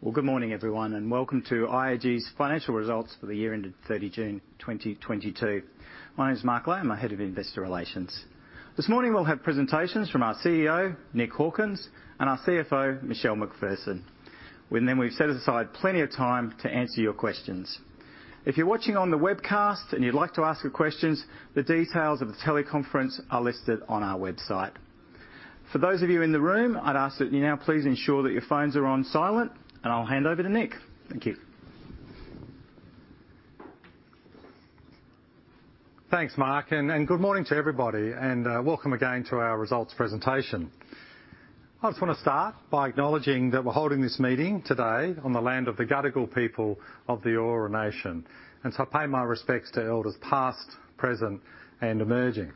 Well, good morning, everyone, and welcome to IAG's financial results for the year ended 30th June 2022. My name is Mark Ley, I'm Head of Investor Relations. This morning we'll have presentations from our CEO, Nick Hawkins, and our CFO, Michelle McPherson. We've set aside plenty of time to answer your questions. If you're watching on the webcast and you'd like to ask your questions, the details of the teleconference are listed on our website. For those of you in the room, I'd ask that you now please ensure that your phones are on silent, and I'll hand over to Nick. Thank you. Thanks, Mark, and good morning to everybody, and welcome again to our results presentation. I just wanna start by acknowledging that we're holding this meeting today on the land of the Gadigal people of the Eora Nation. I pay my respects to elders past, present, and emerging.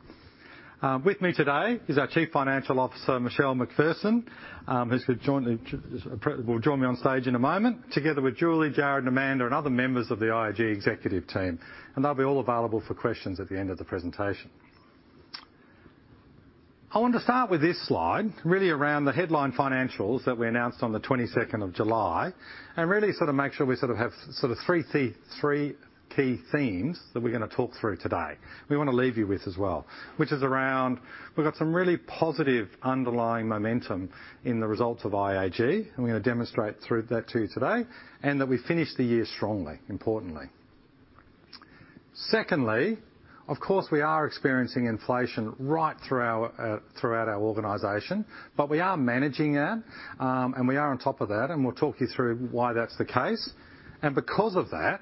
With me today is our Chief Financial Officer, Michelle McPherson, who's gonna join me on stage in a moment, together with Julie, Jarrod, and Amanda, and other members of the IAG executive team, and they'll all be available for questions at the end of the presentation. I want to start with this slide really around the headline financials that we announced on the 22nd of July, and really sort of make sure we have three key themes that we're gonna talk through today, we wanna leave you with as well, which is around we've got some really positive underlying momentum in the results of IAG, and we're gonna demonstrate through that to you today, and that we finished the year strongly, importantly. Secondly, of course, we are experiencing inflation throughout our organization, but we are managing that, and we are on top of that, and we'll talk you through why that's the case. Because of that,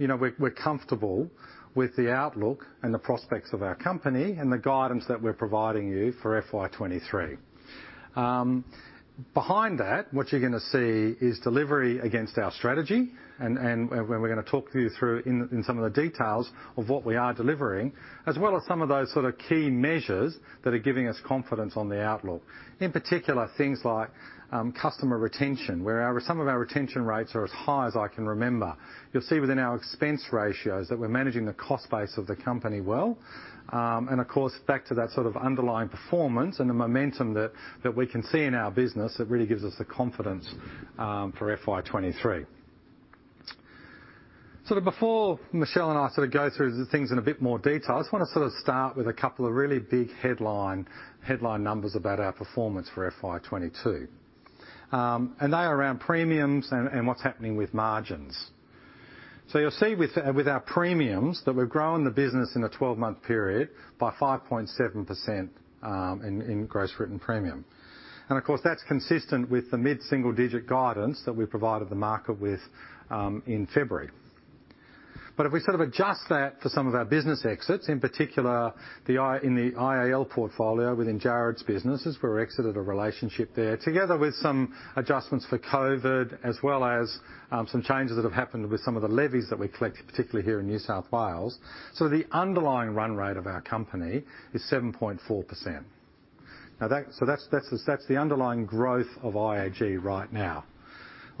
you know, we're comfortable with the outlook and the prospects of our company and the guidance that we're providing you for FY2023. Behind that, what you're gonna see is delivery against our strategy and where we're gonna talk you through in some of the details of what we are delivering, as well as some of those sort of key measures that are giving us confidence on the outlook. In particular, things like customer retention, where some of our retention rates are as high as I can remember. You'll see within our expense ratios that we're managing the cost base of the company well, and of course back to that sort of underlying performance and the momentum that we can see in our business that really gives us the confidence for FY2023. Sort of before Michelle and I sort of go through the things in a bit more detail, I just wanna sort of start with a couple of really big headline numbers about our performance for FY2022. They are around premiums and what's happening with margins. You'll see with our premiums that we've grown the business in a 12-month period by 5.7%, in gross written premium. Of course, that's consistent with the mid-single digit guidance that we provided the market with, in February. If we sort of adjust that for some of our business exits, in particular in the IAL portfolio within Jarrod's businesses where we exited a relationship there, together with some adjustments for COVID, as well as some changes that have happened with some of the levies that we collected, particularly here in New South Wales. The underlying run rate of our company is 7.4%. That's the underlying growth of IAG right now.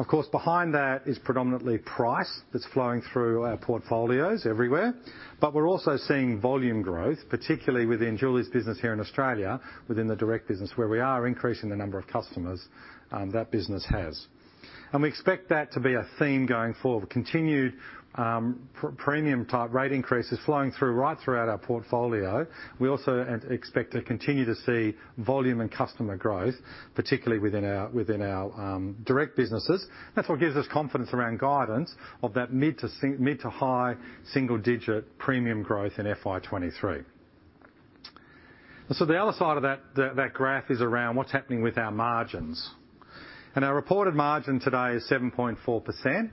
Of course, behind that is predominantly price that's flowing through our portfolios everywhere, but we're also seeing volume growth, particularly within Julie's business here in Australia, within the direct business, where we are increasing the number of customers that business has. We expect that to be a theme going forward. Continued premium type rate increases flowing through right throughout our portfolio. We also expect to continue to see volume and customer growth, particularly within our direct businesses. That's what gives us confidence around guidance of that mid- to high-single-digit premium growth in FY2023. The other side of that graph is around what's happening with our margins. Our reported margin today is 7.4%,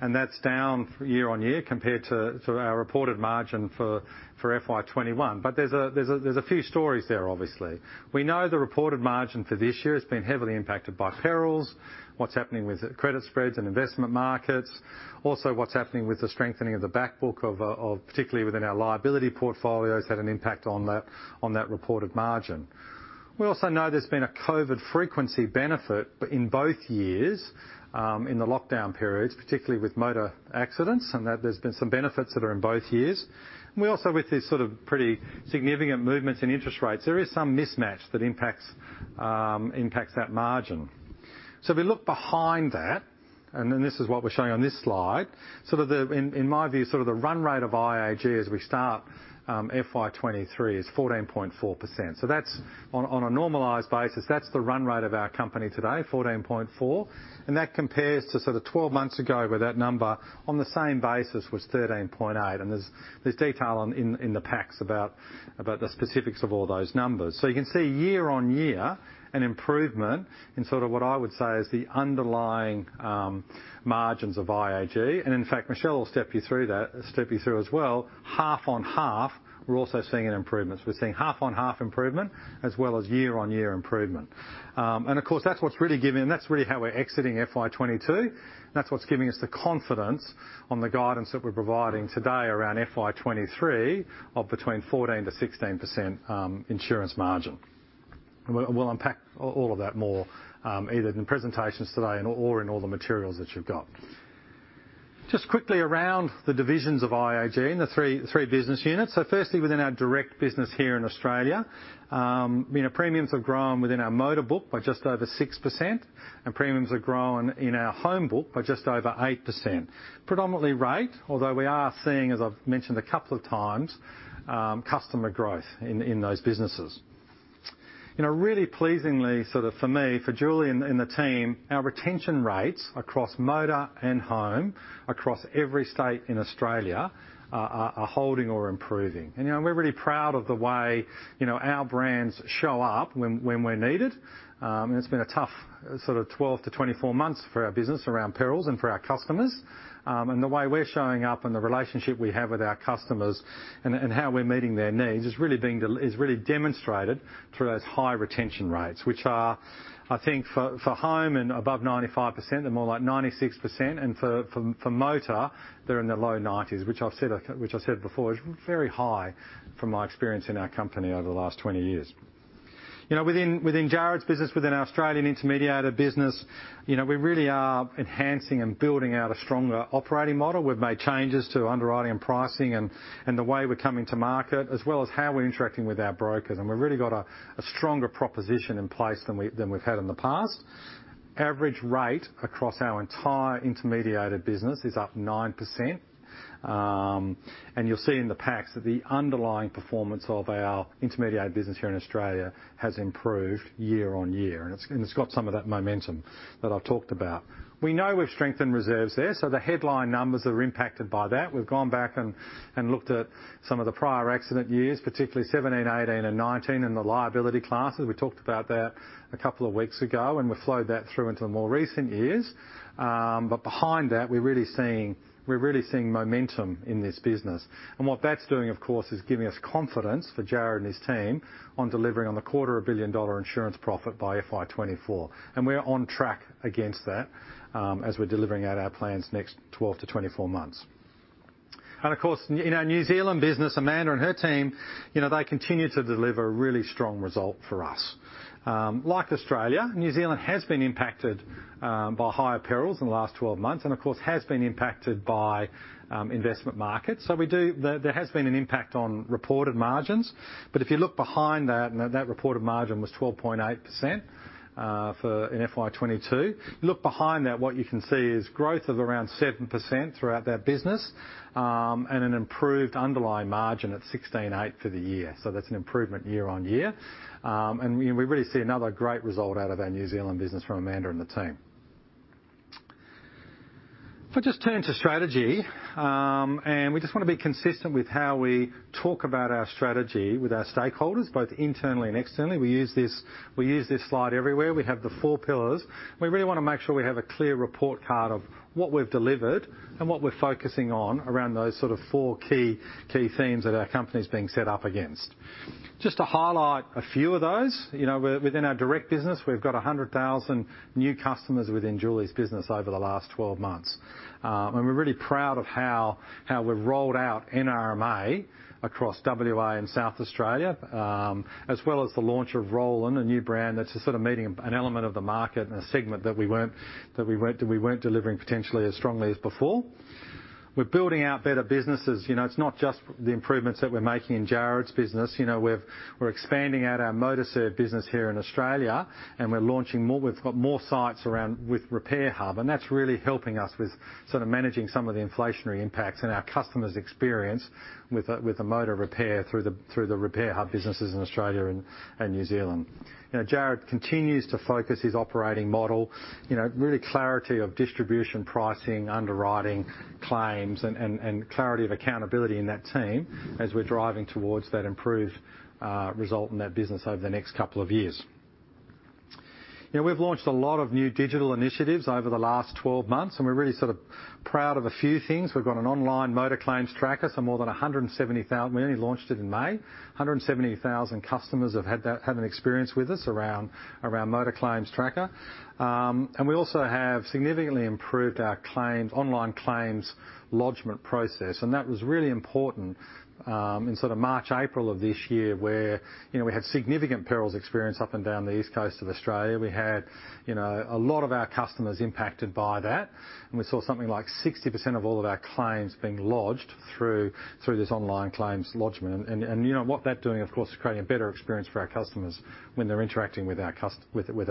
and that's down year-on-year compared to our reported margin for FY2021. There's a few stories there obviously. We know the reported margin for this year has been heavily impacted by perils, what's happening with credit spreads and investment markets. Also, what's happening with the strengthening of the back book of particularly within our liability portfolios had an impact on that reported margin. We also know there's been a COVID frequency benefit, but in both years, in the lockdown periods, particularly with motor accidents, and that there's been some benefits that are in both years. We also with these sort of pretty significant movements in interest rates, there is some mismatch that impacts that margin. If we look behind that, and then this is what we're showing on this slide, in my view, sort of the run rate of IAG as we start FY2023 is 14.4%. That's on a normalized basis, that's the run rate of our company today, 14.4%, and that compares to sort of twelve months ago, where that number on the same basis was 13.8%. There's detail in the packs about the specifics of all those numbers. You can see year-on-year an improvement in sort of what I would say is the underlying margins of IAG. In fact, Michelle will step you through that as well, half-on-half, we're also seeing an improvement. We're seeing half-on-half improvement as well as year-on-year improvement. Of course, that's what's really giving, and that's really how we're exiting FY2022. That's what's giving us the confidence on the guidance that we're providing today around FY2023 of between 14%-16% insurance margin. We'll unpack all of that more, either in the presentations today and or in all the materials that you've got. Just quickly around the divisions of IAG and the three business units. Firstly, within our direct business here in Australia, you know, premiums have grown within our motor book by just over 6%, and premiums have grown in our home book by just over 8%. Predominantly rate, although we are seeing, as I've mentioned a couple of times, customer growth in those businesses. You know, really pleasingly sort of for me, for Julie and the team, our retention rates across motor and home, across every state in Australia are holding or improving. You know, we're really proud of the way, you know, our brands show up when we're needed. It's been a tough sort of 12-24 months for our business around perils and for our customers. The way we're showing up and the relationship we have with our customers and how we're meeting their needs is really demonstrated through those high retention rates, which are, I think for home and above 95%, they're more like 96%. For motor, they're in the low 90s, which I said before, is very high from my experience in our company over the last 20 years. You know, within Jarrod's business, within our Australian intermediated business, you know, we really are enhancing and building out a stronger operating model. We've made changes to underwriting and pricing and the way we're coming to market, as well as how we're interacting with our brokers. We've really got a stronger proposition in place than we've had in the past. Average rate across our entire intermediated business is up 9%. You'll see in the packs that the underlying performance of our intermediated business here in Australia has improved year-over-year, and it's got some of that momentum that I've talked about. We know we've strengthened reserves there, so the headline numbers are impacted by that. We've gone back and looked at some of the prior accident years, particularly 2017, 2018, and 2019, in the liability classes. We talked about that a couple of weeks ago, and we flowed that through into the more recent years. Behind that, we're really seeing momentum in this business. What that's doing, of course, is giving us confidence for Jarrod and his team on delivering on the AUD quarter billion dollar insurance profit by FY2024. We're on track against that, as we're delivering out our plans next 12-24 months. Of course, in our New Zealand business, Amanda and her team, they continue to deliver really strong result for us. Like Australia, New Zealand has been impacted by higher perils in the last 12 months and of course, has been impacted by investment markets. There has been an impact on reported margins. If you look behind that reported margin was 12.8% in FY2022. Look behind that, what you can see is growth of around 7% throughout that business, and an improved underlying margin at 16.8 for the year. That's an improvement year-on-year. We really see another great result out of our New Zealand business from Amanda and the team. If I just turn to strategy, we just wanna be consistent with how we talk about our strategy with our stakeholders, both internally and externally. We use this slide everywhere. We have the four pillars. We really wanna make sure we have a clear report card of what we've delivered and what we're focusing on around those sort of four key themes that our company is being set up against. Just to highlight a few of those, you know, within our direct business, we've got 100,000 new customers within Julie's business over the last 12 months. We're really proud of how we've rolled out NRMA across WA and South Australia, as well as the launch of Rollin', a new brand that's sort of meeting an element of the market and a segment that we weren't delivering potentially as strongly as before. We're building out better businesses. You know, it's not just the improvements that we're making in Jarrod's business. You know, we're expanding out our MotorServe business here in Australia, and we're launching more. We've got more sites around with RepairHub, and that's really helping us with sort of managing some of the inflationary impacts and our customers' experience with a motor repair through the RepairHub businesses in Australia and New Zealand. You know, Jarrod continues to focus his operating model, you know, really clarity of distribution, pricing, underwriting, claims and clarity of accountability in that team as we're driving towards that improved result in that business over the next couple of years. You know, we've launched a lot of new digital initiatives over the last 12 months, and we're really sort of proud of a few things. We've got an online motor claims tracker, so more than 170,000. We only launched it in May. 170,000 customers have had an experience with us around motor claims tracker. We also have significantly improved our claims online claims lodgment process, and that was really important in sort of March, April of this year, where, you know, we had significant perils experience up and down the East Coast of Australia. We had, you know, a lot of our customers impacted by that. We saw something like 60% of all of our claims being lodged through this online claims lodgment. You know, what that's doing, of course, is creating a better experience for our customers when they're interacting with our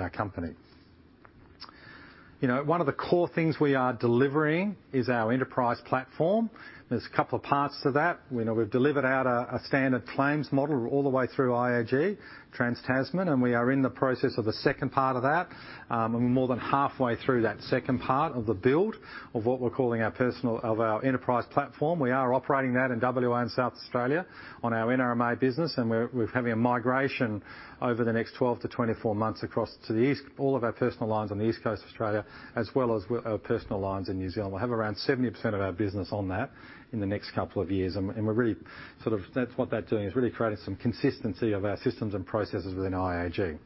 company. You know, one of the core things we are delivering is our Enterprise Platform. There's a couple of parts to that. You know, we've delivered out a standard claims model all the way through IAG, Trans-Tasman, and we are in the process of a second part of that. We're more than halfway through that second part of the build of what we're calling of our enterprise platform. We are operating that in WA and South Australia on our NRMA business, and we're having a migration over the next 12-24 months across to the East, all of our personal lines on the East Coast of Australia, as well as our personal lines in New Zealand. We'll have around 70% of our business on that in the next couple of years. We're really that's what that's doing, is really creating some consistency of our systems and processes within IAG.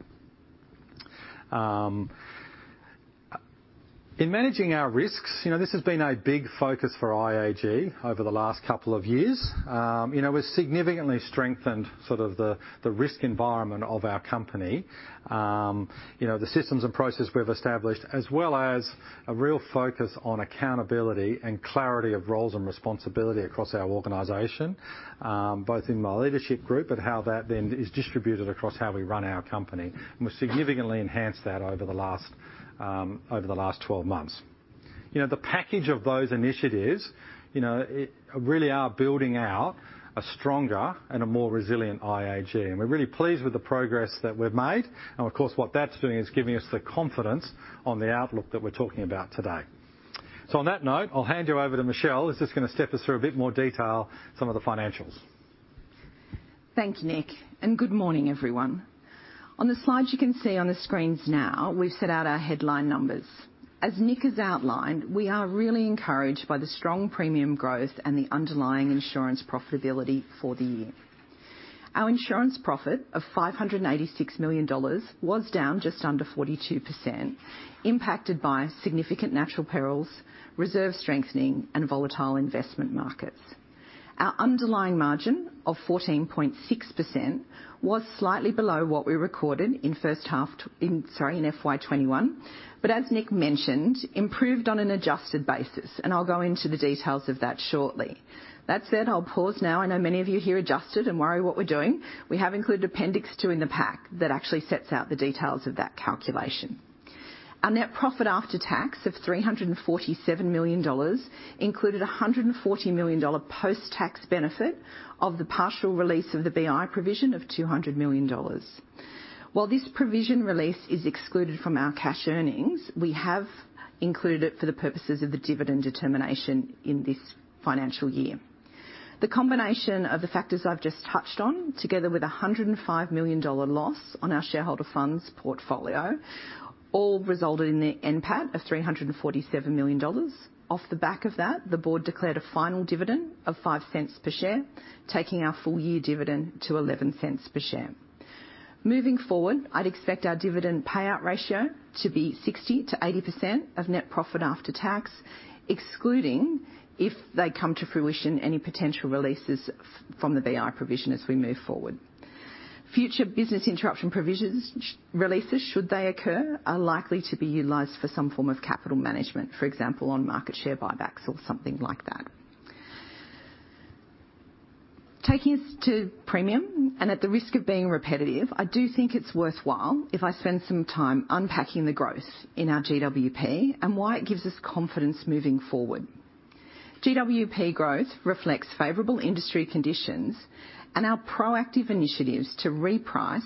In managing our risks, you know, this has been a big focus for IAG over the last couple of years. You know, we've significantly strengthened sort of the risk environment of our company. You know, the systems and processes we've established, as well as a real focus on accountability and clarity of roles and responsibility across our organization, both in my leadership group but how that then is distributed across how we run our company. We've significantly enhanced that over the last 12 months. You know, the package of those initiatives, you know, it really are building out a stronger and a more resilient IAG, and we're really pleased with the progress that we've made. Of course, what that's doing is giving us the confidence on the outlook that we're talking about today. On that note, I'll hand you over to Michelle McPherson, who's just gonna step us through a bit more detail, some of the financials. Thank you, Nick, and good morning, everyone. On the slides you can see on the screens now, we've set out our headline numbers. As Nick has outlined, we are really encouraged by the strong premium growth and the underlying insurance profitability for the year. Our insurance profit of 586 million dollars was down just under 42%, impacted by significant natural perils, reserve strengthening, and volatile investment markets. Our underlying margin of 14.6% was slightly below what we recorded in first half in FY 2021, but as Nick mentioned, improved on an adjusted basis, and I'll go into the details of that shortly. That said, I'll pause now. I know many of you hear adjusted and worry what we're doing. We have included Appendix two in the pack that actually sets out the details of that calculation. Our net profit after tax of 347 million dollars included a 140 million dollar post-tax benefit of the partial release of the BI provision of 200 million dollars. While this provision release is excluded from our cash earnings, we have included it for the purposes of the dividend determination in this financial year. The combination of the factors I've just touched on, together with a 105 million dollar loss on our shareholder funds portfolio, all resulted in the NPAT of 347 million dollars. Off the back of that, the board declared a final dividend of 0.05 per share, taking our full year dividend to 0.11 per share. Moving forward, I'd expect our dividend payout ratio to be 60%-80% of net profit after tax, excluding, if they come to fruition, any potential releases from the BI provision as we move forward. Future business interruption provision releases, should they occur, are likely to be utilized for some form of capital management, for example, on-market share buybacks or something like that. Taking us to premium, at the risk of being repetitive, I do think it's worthwhile if I spend some time unpacking the growth in our GWP and why it gives us confidence moving forward. GWP growth reflects favorable industry conditions and our proactive initiatives to reprice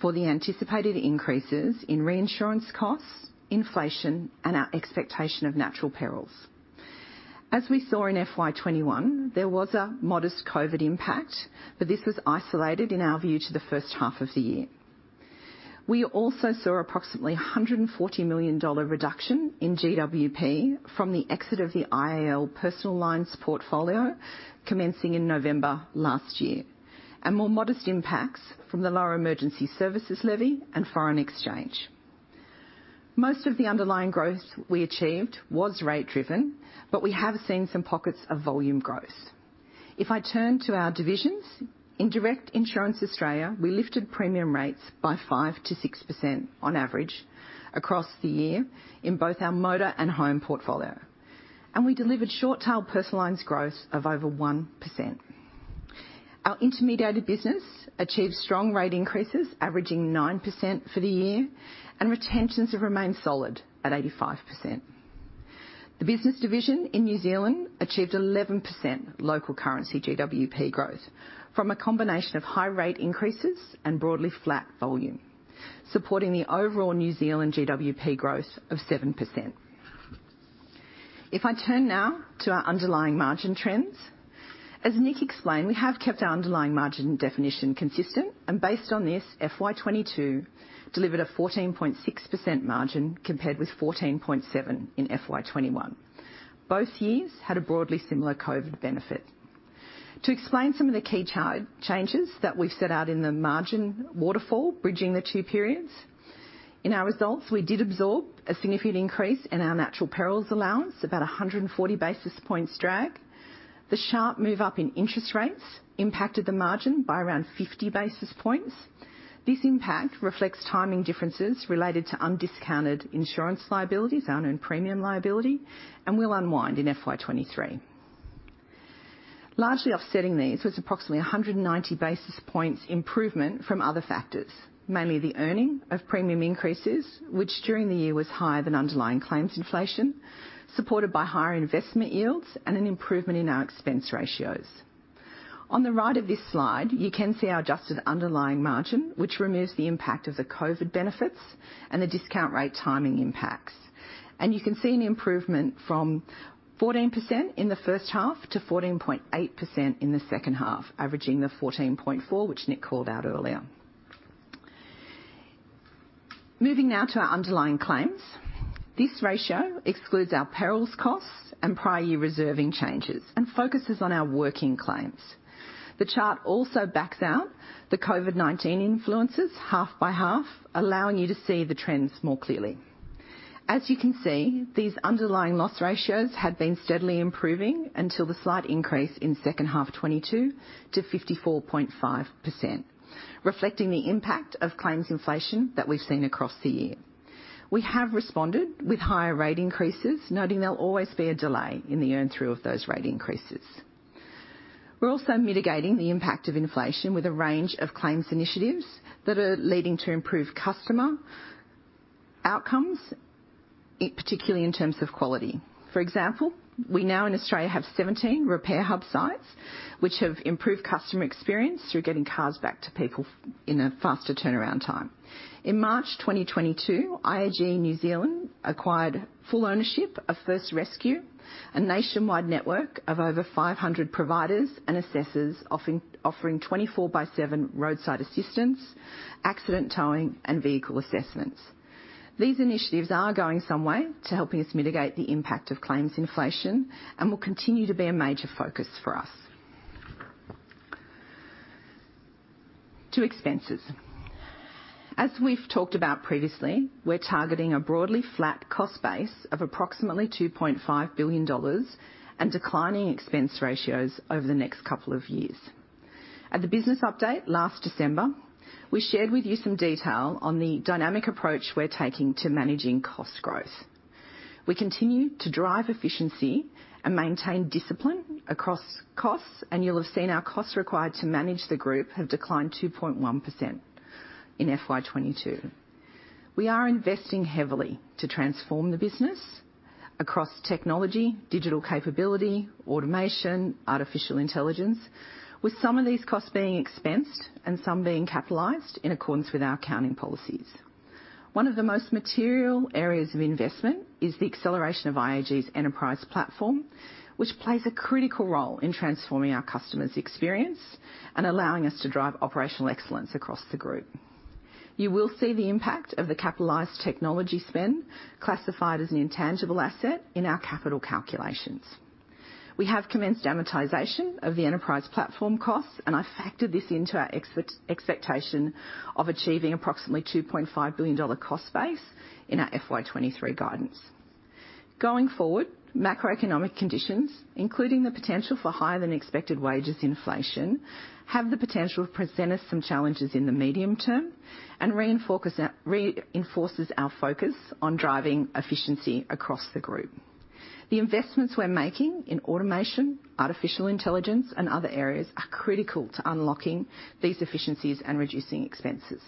for the anticipated increases in reinsurance costs, inflation, and our expectation of natural perils. As we saw in FY2021, there was a modest COVID impact, but this was isolated, in our view, to the first half of the year. We also saw approximately 140 million dollar reduction in GWP from the exit of the IAL personal lines portfolio commencing in November last year, and more modest impacts from the lower Emergency Services Levy and foreign exchange. Most of the underlying growth we achieved was rate-driven, but we have seen some pockets of volume growth. If I turn to our divisions, in Direct Insurance Australia, we lifted premium rates by 5%-6% on average across the year in both our motor and home portfolio, and we delivered short tail personal lines growth of over 1%. Our intermediated business achieved strong rate increases averaging 9% for the year, and retentions have remained solid at 85%. The business division in New Zealand achieved 11% local currency GWP growth from a combination of high rate increases and broadly flat volume, supporting the overall New Zealand GWP growth of 7%. If I turn now to our underlying margin trends, as Nick explained, we have kept our underlying margin definition consistent and based on this, FY2022 delivered a 14.6% margin compared with 14.7% in FY2021. Both years had a broadly similar COVID benefit. To explain some of the key changes that we've set out in the margin waterfall bridging the two periods, in our results, we did absorb a significant increase in our natural perils allowance, about 140 basis points drag. The sharp move up in interest rates impacted the margin by around 50 basis points. This impact reflects timing differences related to undiscounted insurance liabilities, our unearned premium liability, and will unwind in FY2023. Largely offsetting these was approximately 190 basis points improvement from other factors, mainly the earning of premium increases, which during the year was higher than underlying claims inflation, supported by higher investment yields and an improvement in our expense ratios. On the right of this slide, you can see our adjusted underlying margin, which removes the impact of the COVID benefits and the discount rate timing impacts. You can see an improvement from 14% in the first half to 14.8% in the second half, averaging the 14.4, which Nick called out earlier. Moving now to our underlying claims. This ratio excludes our perils costs and prior year reserving changes and focuses on our working claims. The chart also backs out the COVID-19 influences half by half, allowing you to see the trends more clearly. As you can see, these underlying loss ratios have been steadily improving until the slight increase in second half 2022 to 54.5%, reflecting the impact of claims inflation that we've seen across the year. We have responded with higher rate increases, noting there'll always be a delay in the earn through of those rate increases. We're also mitigating the impact of inflation with a range of claims initiatives that are leading to improved customer outcomes, particularly in terms of quality. For example, we now in Australia have 17 repair hub sites, which have improved customer experience through getting cars back to people in a faster turnaround time. In March 2022, IAG New Zealand acquired full ownership of First Rescue, a nationwide network of over 500 providers and assessors offering 24/7 roadside assistance, accident towing, and vehicle assessments. These initiatives are going some way to helping us mitigate the impact of claims inflation, and will continue to be a major focus for us. To expenses. As we've talked about previously, we're targeting a broadly flat cost base of approximately 2.5 billion dollars and declining expense ratios over the next couple of years. At the business update last December, we shared with you some detail on the dynamic approach we're taking to managing cost growth. We continue to drive efficiency and maintain discipline across costs, and you'll have seen our costs required to manage the group have declined 2.1% in FY2022. We are investing heavily to transform the business across technology, digital capability, automation, artificial intelligence, with some of these costs being expensed and some being capitalized in accordance with our accounting policies. One of the most material areas of investment is the acceleration of IAG's Enterprise Platform, which plays a critical role in transforming our customer's experience and allowing us to drive operational excellence across the group. You will see the impact of the capitalized technology spend classified as an intangible asset in our capital calculations. We have commenced amortization of the Enterprise Platform costs, and I factored this into our expectation of achieving approximately 2.5 billion dollar cost base in our FY2023 guidance. Going forward, macroeconomic conditions, including the potential for higher than expected wages inflation, have the potential to present us some challenges in the medium term and reinforces our focus on driving efficiency across the group. The investments we're making in automation, artificial intelligence, and other areas are critical to unlocking these efficiencies and reducing expenses.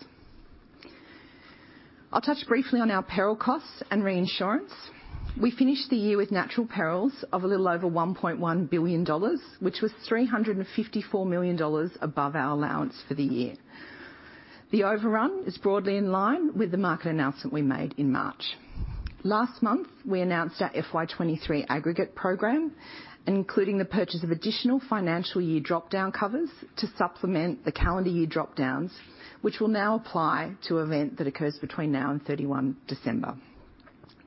I'll touch briefly on our peril costs and reinsurance. We finished the year with natural perils of a little over 1.1 billion dollars, which was 354 million dollars above our allowance for the year. The overrun is broadly in line with the market announcement we made in March. Last month, we announced our FY2023 aggregate program, including the purchase of additional financial year drop-down covers to supplement the calendar year drop-downs, which will now apply to event that occurs between now and 31 December.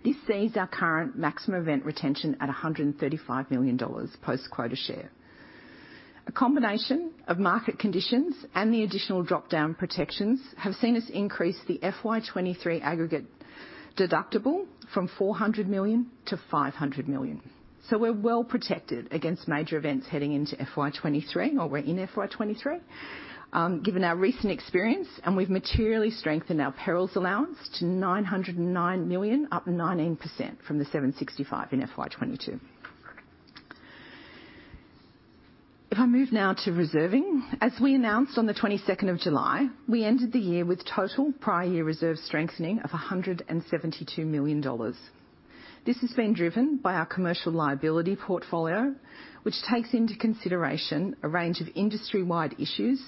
This sees our current maximum event retention at 135 million dollars post quota share. A combination of market conditions and the additional drop-down protections have seen us increase the FY2023 aggregate deductible from 400 million to 500 million. We're well protected against major events heading into FY2023, or we're in FY2023, given our recent experience, and we've materially strengthened our perils allowance to 909 million, up 19% from the 765 in FY2022. If I move now to reserving. As we announced on the 22nd of July, we ended the year with total prior year reserve strengthening of 172 million dollars. This has been driven by our commercial liability portfolio, which takes into consideration a range of industry-wide issues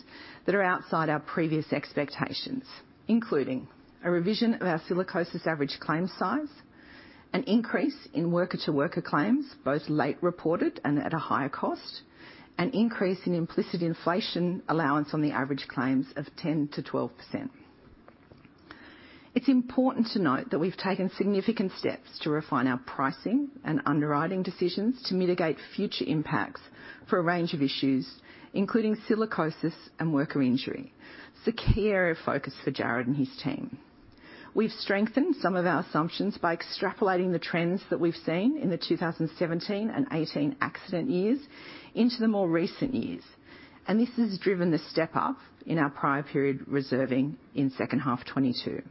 that are outside our previous expectations, including a revision of our silicosis average claim size, an increase in worker to worker claims, both late reported and at a higher cost, an increase in implicit inflation allowance on the average claims of 10%-12%. It's important to note that we've taken significant steps to refine our pricing and underwriting decisions to mitigate future impacts for a range of issues, including silicosis and worker injury. It's a key area of focus for Jarrod and his team. We've strengthened some of our assumptions by extrapolating the trends that we've seen in the 2017 and 2018 accident years into the more recent years, and this has driven the step up in our prior period reserving in second half 2022.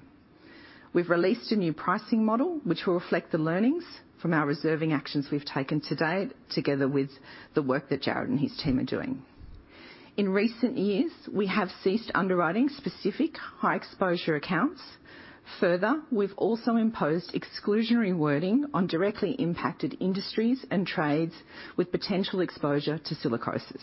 We've released a new pricing model, which will reflect the learnings from our reserving actions we've taken to date, together with the work that Jarrod and his team are doing. In recent years, we have ceased underwriting specific high exposure accounts. Further, we've also imposed exclusionary wording on directly impacted industries and trades with potential exposure to silicosis.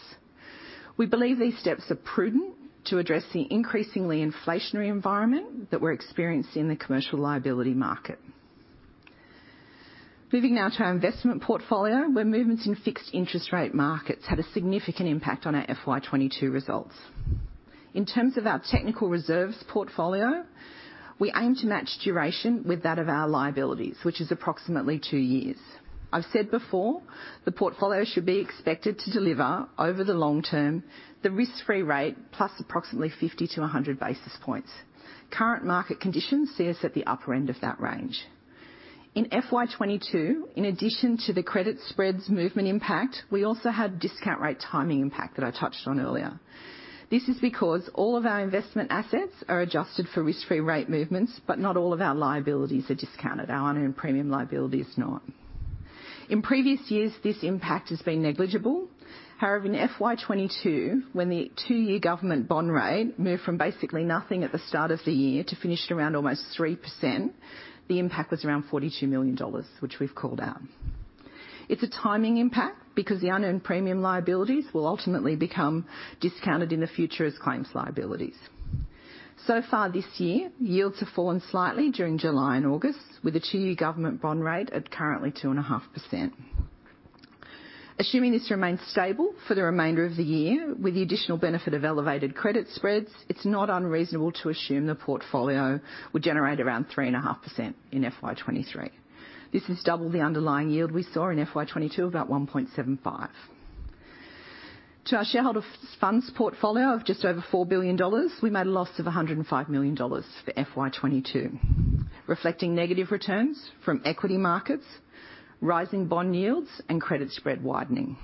We believe these steps are prudent to address the increasingly inflationary environment that we're experiencing in the commercial liability market. Moving now to our investment portfolio, where movements in fixed interest rate markets had a significant impact on our FY2022 results. In terms of our technical reserves portfolio, we aim to match duration with that of our liabilities, which is approximately two years. I've said before the portfolio should be expected to deliver over the long term, the risk-free rate plus approximately 50-100 basis points. Current market conditions see us at the upper end of that range. In FY2022, in addition to the credit spreads movement impact, we also had discount rate timing impact that I touched on earlier. This is because all of our investment assets are adjusted for risk-free rate movements, but not all of our liabilities are discounted, our unearned premium liability is not. In previous years, this impact has been negligible. However, in FY2022, when the 2-year government bond rate moved from basically nothing at the start of the year to finishing around almost 3%, the impact was around AUD 42 million, which we've called out. It's a timing impact because the unearned premium liabilities will ultimately become discounted in the future as claims liabilities. So far this year, yields have fallen slightly during July and August with the two-year government bond rate at currently 2.5%. Assuming this remains stable for the remainder of the year with the additional benefit of elevated credit spreads, it's not unreasonable to assume the portfolio will generate around 3.5% in FY2023. This is double the underlying yield we saw in FY2022, about 1.75%. To our shareholder funds portfolio of just over 4 billion dollars, we made a loss of 105 million dollars for FY2022, reflecting negative returns from equity markets, rising bond yields, and credit spread widening.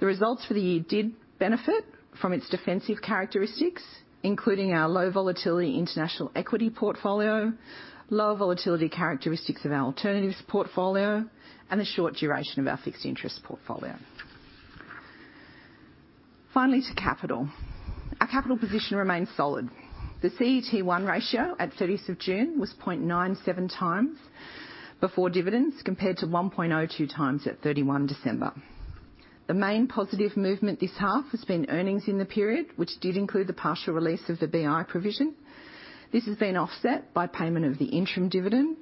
The results for the year did benefit from its defensive characteristics, including our low volatility international equity portfolio, low volatility characteristics of our alternatives portfolio, and the short duration of our fixed interest portfolio. Finally, to capital. Our capital position remains solid. The CET1 ratio at 30th of June was 0.97x before dividends compared to 1.02x at 31st December. The main positive movement this half has been earnings in the period, which did include the partial release of the BI provision. This has been offset by payment of the interim dividend,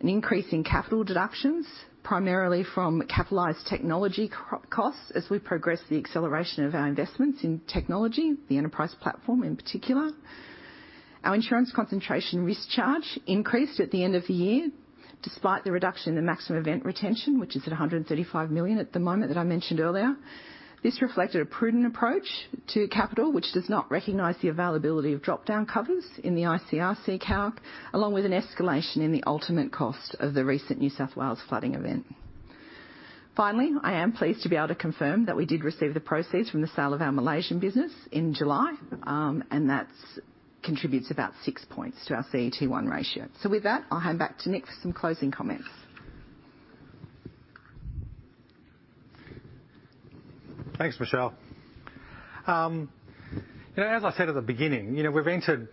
an increase in capital deductions, primarily from capitalized technology costs as we progress the acceleration of our investments in technology, the Enterprise Platform in particular. Our insurance concentration risk charge increased at the end of the year despite the reduction in the maximum event retention, which is at 135 million at the moment that I mentioned earlier. This reflected a prudent approach to capital, which does not recognize the availability of drop-down covers in the ICRC calc, along with an escalation in the ultimate cost of the recent New South Wales flooding event. Finally, I am pleased to be able to confirm that we did receive the proceeds from the sale of our Malaysian business in July, and that contributes about six points to our CET1 ratio. With that, I'll hand back to Nick for some closing comments. Thanks, Michelle. You know, as I said at the beginning, you know, we've entered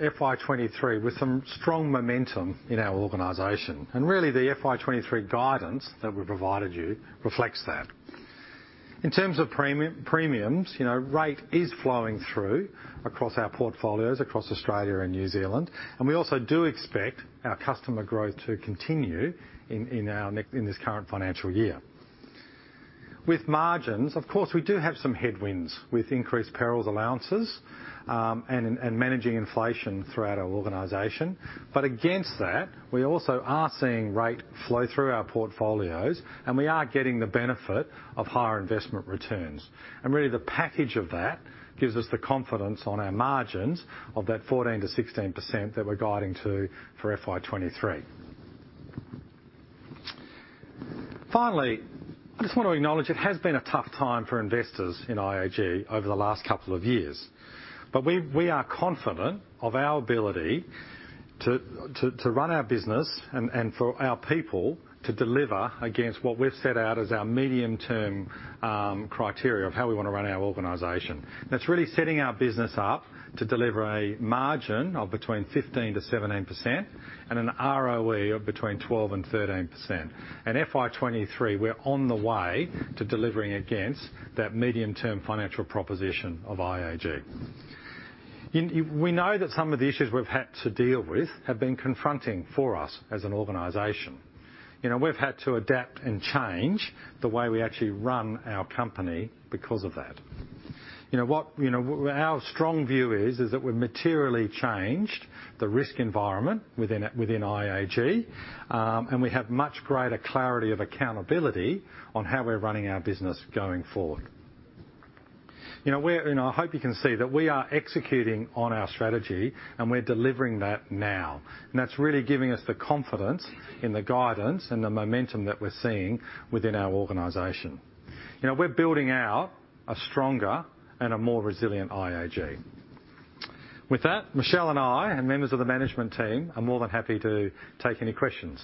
FY2023 with some strong momentum in our organization, and really the FY2023 guidance that we provided you reflects that. In terms of premiums, you know, rate is flowing through across our portfolios across Australia and New Zealand, and we also do expect our customer growth to continue in this current financial year. With margins, of course, we do have some headwinds with increased perils allowances, and managing inflation throughout our organization. But against that, we also are seeing rate flow through our portfolios, and we are getting the benefit of higher investment returns. Really the package of that gives us the confidence on our margins of that 14%-16% that we're guiding to for FY2023. Finally, I just want to acknowledge it has been a tough time for investors in IAG over the last couple of years, but we are confident of our ability to run our business and for our people to deliver against what we've set out as our medium-term criteria of how we wanna run our organization. That's really setting our business up to deliver a margin of between 15%-17% and an ROE of between 12%-13%. In FY 2023, we're on the way to delivering against that medium-term financial proposition of IAG. We know that some of the issues we've had to deal with have been confronting for us as an organization. You know, we've had to adapt and change the way we actually run our company because of that. You know what? You know, our strong view is that we've materially changed the risk environment within IAG, and we have much greater clarity of accountability on how we're running our business going forward. You know, I hope you can see that we are executing on our strategy, and we're delivering that now, and that's really giving us the confidence in the guidance and the momentum that we're seeing within our organization. You know, we're building out a stronger and a more resilient IAG. With that, Michelle and I and members of the management team are more than happy to take any questions.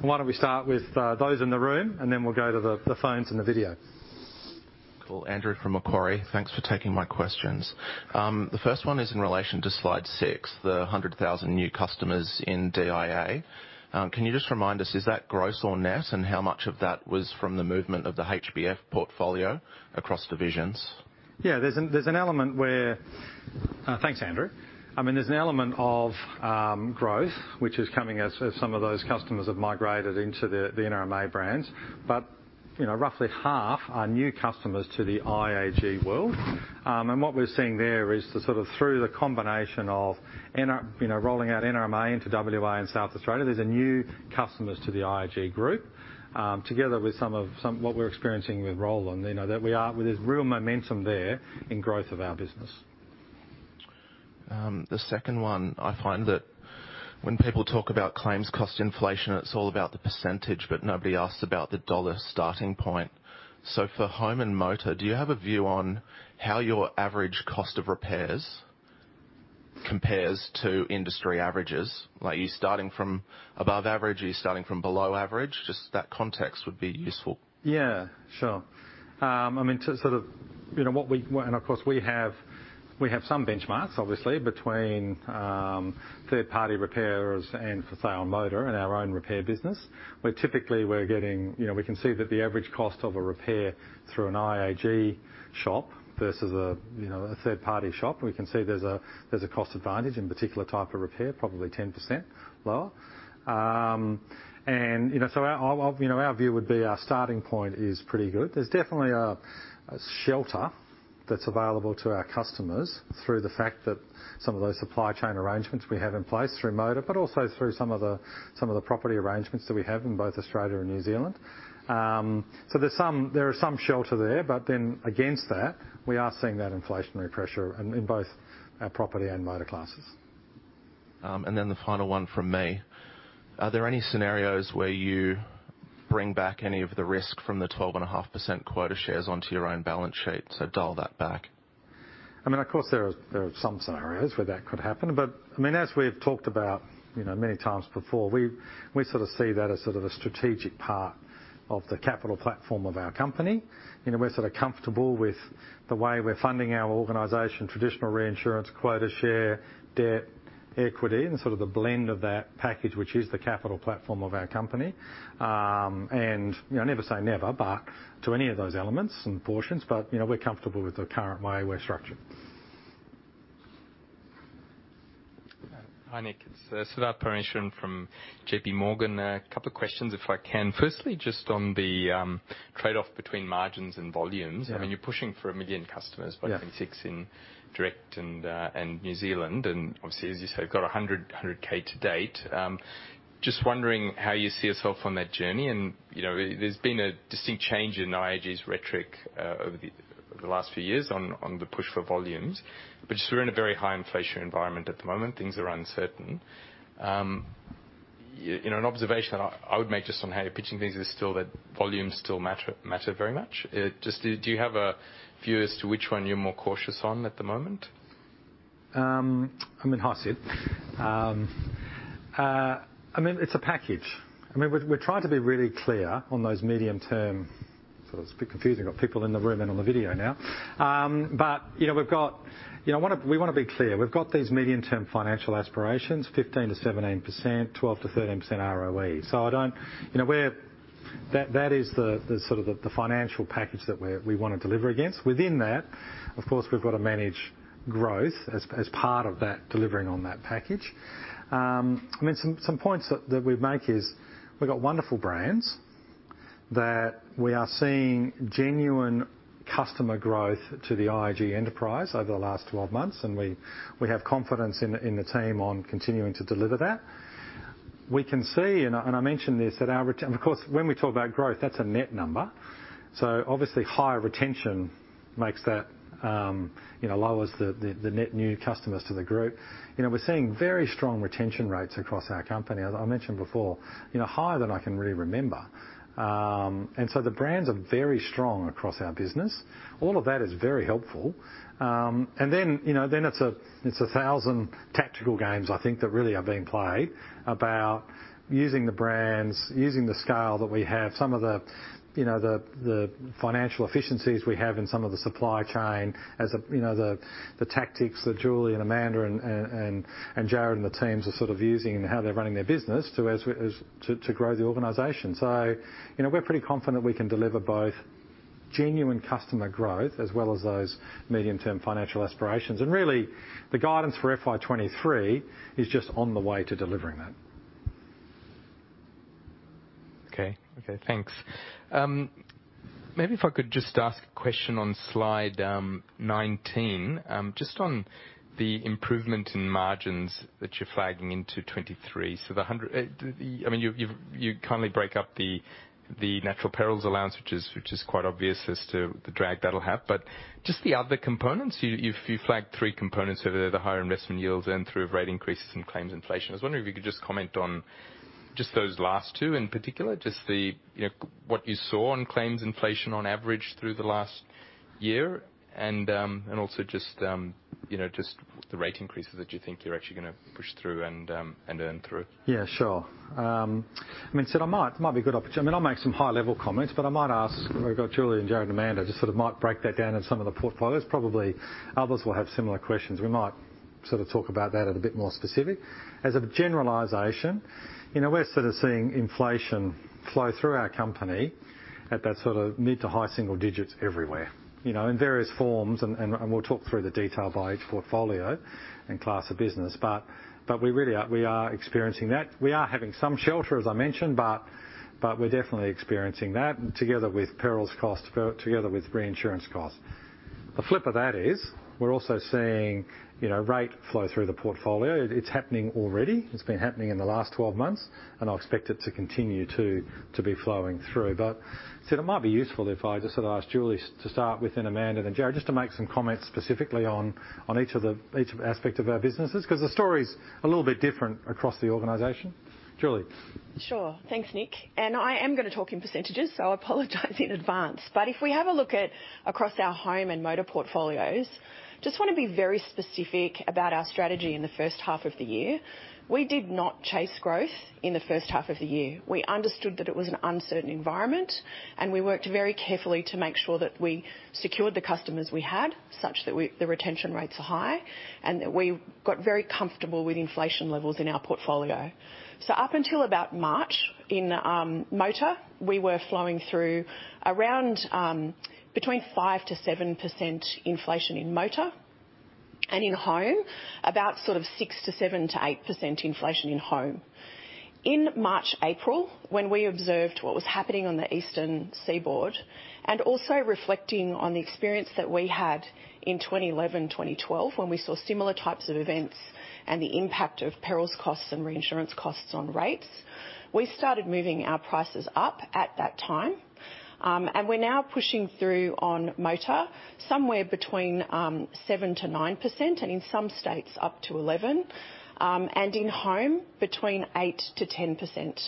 Why don't we start with those in the room, and then we'll go to the phones and the video. Cool. Andrew from Macquarie, thanks for taking my questions. The first one is in relation to slide six, the 100,000 new customers in DIA. Can you just remind us, is that gross or net, and how much of that was from the movement of the HBF portfolio across divisions? Thanks, Andrew. I mean, there's an element of growth which is coming as some of those customers have migrated into the NRMA brands. You know, roughly half are new customers to the IAG world. What we're seeing there is sort of through the combination of rolling out NRMA into WA and South Australia. These are new customers to the IAG Group, together with some of what we're experiencing with Rollin'. You know, that there's real momentum there in growth of our business. The second one, I find that when people talk about claims cost inflation, it's all about the percentage, but nobody asks about the dollar starting point. For home and motor, do you have a view on how your average cost of repairs compares to industry averages? Like, are you starting from above average? Are you starting from below average? Just that context would be useful. Yeah, sure. Of course, we have some benchmarks, obviously, between third-party repairers and personal motor and our own repair business. Typically, you know, we can see that the average cost of a repair through an IAG shop versus a third-party shop. We can see there's a cost advantage in particular type of repair, probably 10% lower. Our view would be our starting point is pretty good. There's definitely a shelter that's available to our customers through the fact that some of those supply chain arrangements we have in place through motor, but also through some of the property arrangements that we have in both Australia and New Zealand. There are some shelter there, but then against that, we are seeing that inflationary pressure in both our property and motor classes. The final one from me. Are there any scenarios where you bring back any of the risk from the 12.5% quota shares onto your own balance sheet? Dial that back. I mean, of course, there are some scenarios where that could happen. I mean, as we've talked about, you know, many times before, we sort of see that as sort of a strategic part of the capital platform of our company. You know, we're sort of comfortable with the way we're funding our organization, traditional reinsurance, quota share, debt, equity, and sort of the blend of that package, which is the capital platform of our company. You know, never say never, but to any of those elements and portions, but, you know, we're comfortable with the current way we're structured. Hi, Nick. It's Siddharth Parameswaran from J.P. Morgan. A couple of questions, if I can. Firstly, just on the trade-off between margins and volumes. Yeah. I mean, you're pushing for 1 million customers. Yeah. Between CGU and Direct and New Zealand. Obviously, as you said, got 100k to date. Just wondering how you see yourself on that journey. You know, there's been a distinct change in IAG's rhetoric over the last few years on the push for volumes. Just we're in a very high inflation environment at the moment. Things are uncertain. You know, an observation I would make just on how you're pitching things is still that volumes still matter very much. Just do you have a view as to which one you're more cautious on at the moment? I mean, hi, Sid. I mean, it's a package. I mean, we're trying to be really clear on those medium-term. It's a bit confusing. Got people in the room and on the video now. You know, we've got, you know, we wanna be clear. We've got these medium-term financial aspirations, 15%-17%, 12%-13% ROE. You know, we're. That is the sort of the financial package that we wanna deliver against. Within that, of course, we've got to manage growth as part of that delivering on that package. I mean, some points that we make is we've got wonderful brands that we are seeing genuine customer growth to the IAG enterprise over the last 12 months, and we have confidence in the team on continuing to deliver that. We can see, and I mentioned this at our return. Of course, when we talk about growth, that's a net number. So obviously, higher retention makes that, you know, lowers the net new customers to the group. You know, we're seeing very strong retention rates across our company, as I mentioned before, you know, higher than I can really remember. The brands are very strong across our business. All of that is very helpful. You know, it's a thousand tactical games I think that really are being played about using the brands, using the scale that we have, some of the, you know, the financial efficiencies we have in some of the supply chain as a, you know, the tactics that Julie and Amanda and Jarrod and the teams are sort of using in how they're running their business to grow the organization. You know, we're pretty confident we can deliver both genuine customer growth as well as those medium-term financial aspirations. Really, the guidance for FY2023 is just on the way to delivering that. Okay. Thanks. Maybe if I could just ask a question on slide 19, just on the improvement in margins that you're flagging into 2023. I mean, you kindly break up the natural perils allowance, which is quite obvious as to the drag that'll have. Just the other components, you flagged three components of the higher investment yields, the rate increases, and claims inflation. I was wondering if you could just comment on just those last two in particular, you know, what you saw on claims inflation on average through the last year and also just, you know, just the rate increases that you think you're actually gonna push through and earn through. Yeah, sure. I mean, Sid, it might be a good opportunity. I mean, I'll make some high-level comments, but I might ask, we've got Julie and Jared and Amanda just sort of might break that down in some of the portfolios. Probably others will have similar questions. We might sort of talk about that at a bit more specific. As a generalization, you know, we're sort of seeing inflation flow through our company at that sort of mid to high single digits everywhere, you know, in various forms, and we'll talk through the detail by each portfolio and class of business. We really are experiencing that. We are having some shelter, as I mentioned, but we're definitely experiencing that together with perils cost, together with reinsurance costs. The flip of that is we're also seeing, you know, rate flow through the portfolio. It's happening already. It's been happening in the last 12 months, and I expect it to continue to be flowing through. Sid, it might be useful if I just sort of ask Julie to start with, and Amanda, and then Jarrod, just to make some comments specifically on each aspect of our businesses, because the story's a little bit different across the organization. Julie? Sure. Thanks, Nick. I am gonna talk in percentages, so I apologize in advance. If we have a look at across our home and motor portfolios, just wanna be very specific about our strategy in the first half of the year. We did not chase growth in the first half of the year. We understood that it was an uncertain environment, and we worked very carefully to make sure that we secured the customers we had, such that the retention rates are high and that we got very comfortable with inflation levels in our portfolio. Up until about March, in motor, we were flowing through around between 5%-7% inflation in motor, and in home, about sort of 6%-7%-8% inflation in home. In March, April, when we observed what was happening on the Eastern Seaboard and also reflecting on the experience that we had in 2011, 2012, when we saw similar types of events and the impact of perils costs and reinsurance costs on rates, we started moving our prices up at that time. We're now pushing through on motor, somewhere between 7%-9%, and in some states up to 11%. In home, between 8%-10%.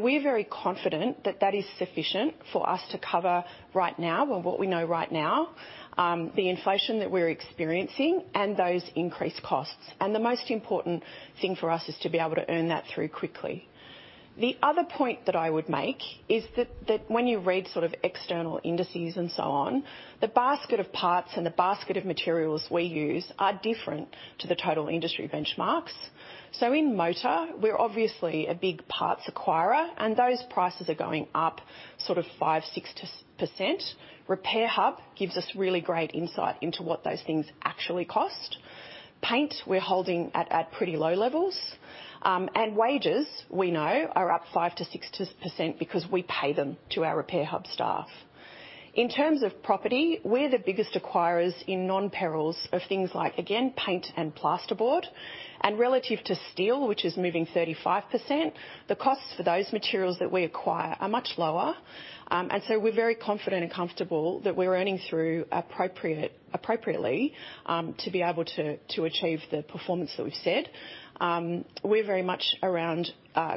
We're very confident that that is sufficient for us to cover right now, with what we know right now, the inflation that we're experiencing and those increased costs. The most important thing for us is to be able to earn that through quickly. The other point that I would make is that when you read sort of external indices and so on, the basket of parts and the basket of materials we use are different to the total industry benchmarks. In motor, we're obviously a big parts acquirer, and those prices are going up sort of 5-6%. Repairhub gives us really great insight into what those things actually cost. Paint we're holding at pretty low levels. Wages, we know are up 5-6% because we pay them to our Repairhub staff. In terms of property, we're the biggest acquirers in non-perils of things like, again, paint and plasterboard. Relative to steel, which is moving 35%, the costs for those materials that we acquire are much lower. We're very confident and comfortable that we're earning through appropriately to be able to achieve the performance that we've said. We're very much around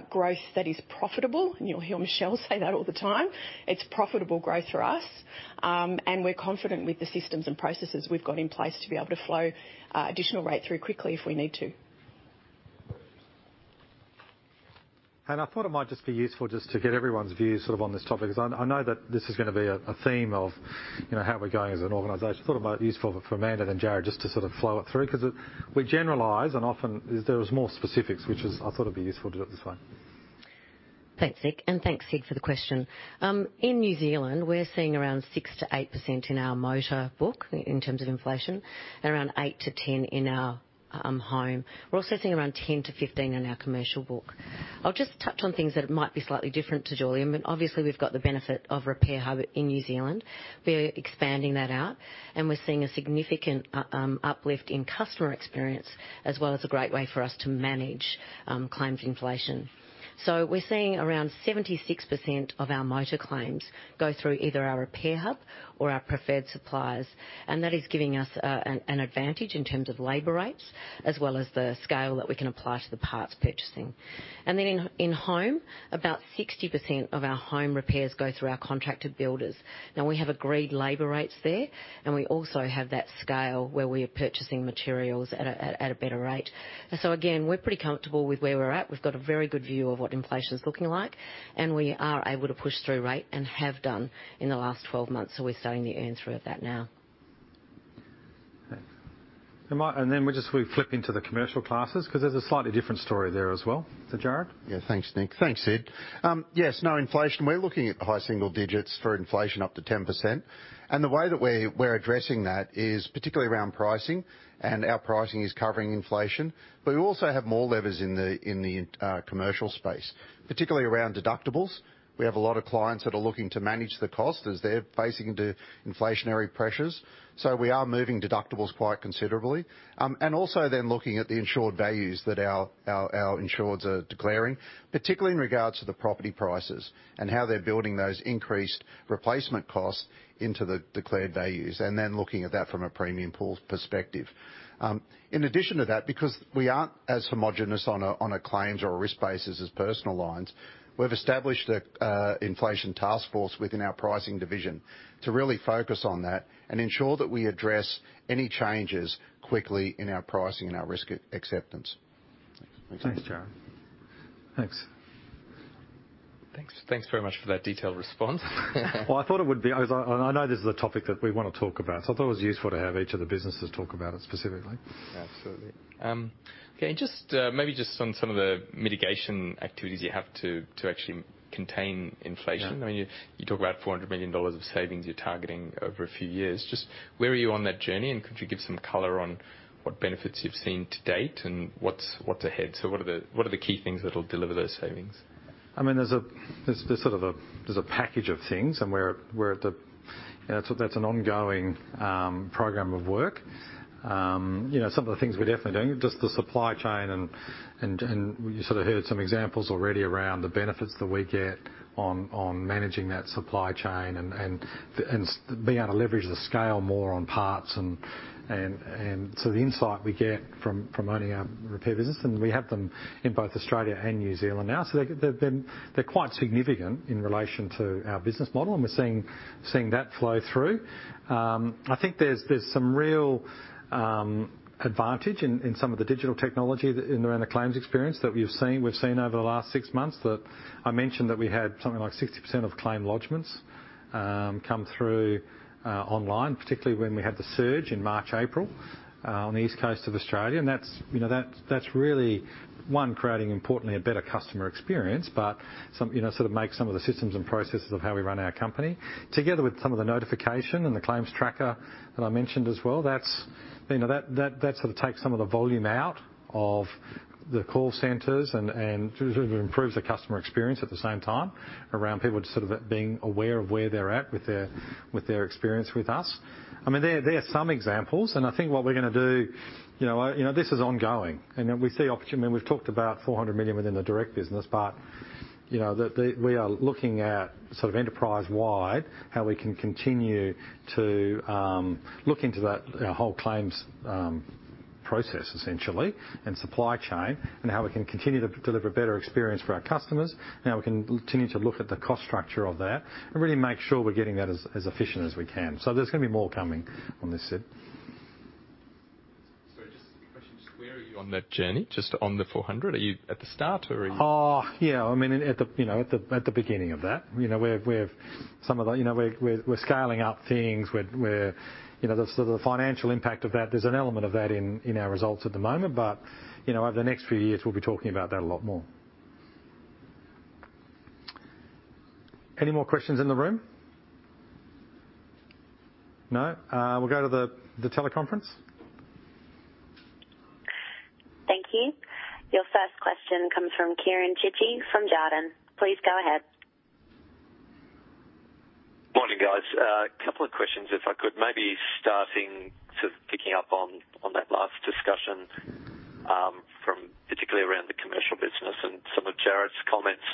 growth that is profitable. You'll hear Michelle say that all the time. It's profitable growth for us. We're confident with the systems and processes we've got in place to be able to flow additional rate through quickly if we need to. I thought it might just be useful just to get everyone's views sort of on this topic, because I know that this is gonna be a theme of, you know, how we're going as an organization. Thought it might be useful for Amanda and Jarrod just to sort of flow it through, because we generalize, and often there is more specifics, which is I thought it'd be useful to do it this way. Thanks, Nick. Thanks, Sid, for the question. In New Zealand, we're seeing around 6%-8% in our motor book in terms of inflation, around 8%-10% in our home. We're also seeing around 10%-15% in our commercial book. I'll just touch on things that might be slightly different to Julie. I mean, obviously we've got the benefit of Repairhub in New Zealand. We're expanding that out, and we're seeing a significant uplift in customer experience, as well as a great way for us to manage claims inflation. We're seeing around 76% of our motor claims go through either our Repairhub or our preferred suppliers, and that is giving us an advantage in terms of labor rates as well as the scale that we can apply to the parts purchasing. In home, about 60% of our home repairs go through our contracted builders. Now, we have agreed labor rates there, and we also have that scale where we are purchasing materials at a better rate. Again, we're pretty comfortable with where we're at. We've got a very good view of what inflation's looking like, and we are able to push through rate and have done in the last 12 months. We're starting to earn through of that now. Okay. We flip into the commercial classes because there's a slightly different story there as well. Jarrod? Yeah. Thanks, Nick. Thanks, Sid. Yes, on inflation. We're looking at high single digits for inflation up to 10%. The way that we're addressing that is particularly around pricing, and our pricing is covering inflation, but we also have more levers in the commercial space, particularly around deductibles. We have a lot of clients that are looking to manage the cost as they're facing into inflationary pressures. We are moving deductibles quite considerably. Also then looking at the insured values that our insureds are declaring, particularly in regards to the property prices and how they're building those increased replacement costs into the declared values, and then looking at that from a premium pool perspective. In addition to that, because we aren't as homogeneous on a claims or a risk basis as personal lines, we've established an inflation task force within our pricing division to really focus on that and ensure that we address any changes quickly in our pricing and our risk acceptance. Thanks, Jarrod. Thanks. Thanks. Thanks very much for that detailed response. Well, I know this is a topic that we wanna talk about, so I thought it was useful to have each of the businesses talk about it specifically. Absolutely. Okay, and just maybe just on some of the mitigation activities you have to actually contain inflation. Yeah. I mean, you talk about 400 million dollars of savings you're targeting over a few years. Just where are you on that journey, and could you give some color on what benefits you've seen to date and what's ahead? What are the key things that'll deliver those savings? I mean, there's sort of a package of things, and that's an ongoing program of work. You know, some of the things we're definitely doing, just the supply chain and you sort of heard some examples already around the benefits that we get on managing that supply chain and being able to leverage the scale more on parts and so the insight we get from owning our repair business, and we have them in both Australia and New Zealand now. So they're quite significant in relation to our business model, and we're seeing that flow through. I think there's some real advantage in some of the digital technology in and around the claims experience that we've seen. We've seen over the last six months that I mentioned that we had something like 60% of claim lodgements come through online, particularly when we had the surge in March, April, on the East Coast of Australia. That's, you know, really one, creating importantly a better customer experience, but, you know, sort of makes some of the systems and processes of how we run our company, together with some of the notification and the claims tracker that I mentioned as well. That's, you know, that sort of takes some of the volume out of the call centers and improves the customer experience at the same time around people just sort of being aware of where they're at with their experience with us. I mean, there are some examples, and I think what we're gonna do, you know, this is ongoing. We see opportunity. I mean, we've talked about 400 million within the direct business, but, you know, we are looking at sort of enterprise-wide, how we can continue to look into that, our whole claims process, essentially, and supply chain, and how we can continue to deliver better experience for our customers, and how we can continue to look at the cost structure of that and really make sure we're getting that as efficient as we can. There's gonna be more coming on this, Sid. Sorry, just a question. Where are you on that journey? Just on the 400? Are you at the start, or are you? Yeah, I mean, at the beginning of that. You know, we're scaling up things where the financial impact of that, there's an element of that in our results at the moment. You know, over the next few years, we'll be talking about that a lot more. Any more questions in the room? No? We'll go to the teleconference. Thank you. Your first question comes from Kieren Chidgey from Jarden. Please go ahead. Morning, guys. A couple of questions, if I could. Maybe starting by picking up on that last discussion from particularly around the commercial business and some of Jarrod's comments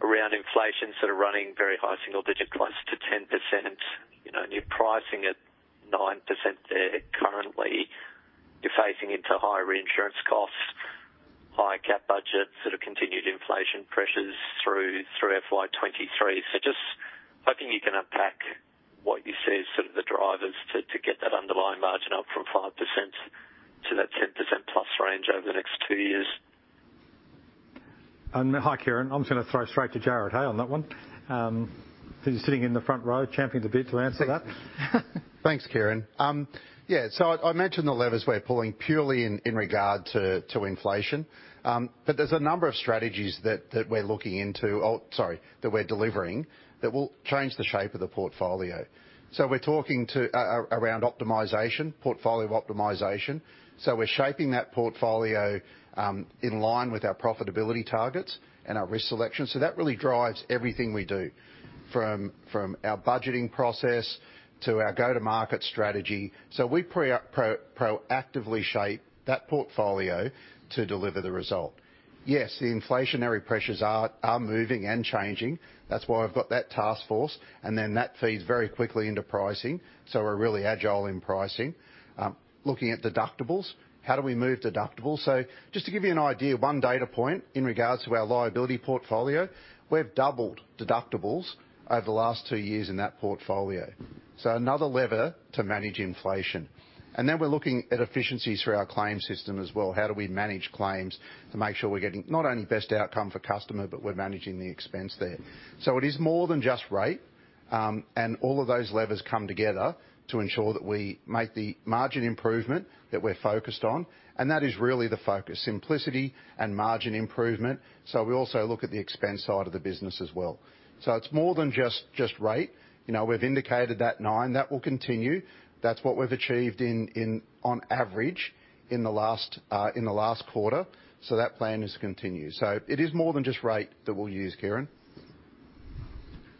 around inflation sort of running very high single digits, close to 10%. You know, and you're pricing at 9% there currently. You're facing into higher reinsurance costs, higher CapEx budgets, sort of continued inflation pressures through FY2023. Just hoping you can unpack what you see as sort of the drivers to get that underlying margin up from 5% to that 10%+ range over the next two years. Hi, Kieren. I'm just gonna throw straight to Jarrod Hill on that one, who's sitting in the front row champing at the bit to answer that. Thanks, Kieren. I mentioned the levers we're pulling purely in regard to inflation. There's a number of strategies that we're delivering that will change the shape of the portfolio. We're talking around optimization, portfolio optimization. We're shaping that portfolio in line with our profitability targets and our risk selection. That really drives everything we do, from our budgeting process to our go-to-market strategy. We proactively shape that portfolio to deliver the result. Yes, the inflationary pressures are moving and changing. That's why we've got that task force. Then that feeds very quickly into pricing. We're really agile in pricing. Looking at deductibles, how do we move deductibles? Just to give you an idea, one data point in regards to our liability portfolio, we've doubled deductibles over the last two years in that portfolio. Another lever to manage inflation. Then we're looking at efficiencies through our claims system as well. How do we manage claims to make sure we're getting not only best outcome for customer, but we're managing the expense there. It is more than just rate, and all of those levers come together to ensure that we make the margin improvement that we're focused on, and that is really the focus, simplicity and margin improvement. We also look at the expense side of the business as well. It's more than just rate. You know, we've indicated that nine, that will continue. That's what we've achieved on average in the last quarter. That plan is to continue. It is more than just rate that we'll use, Kieren.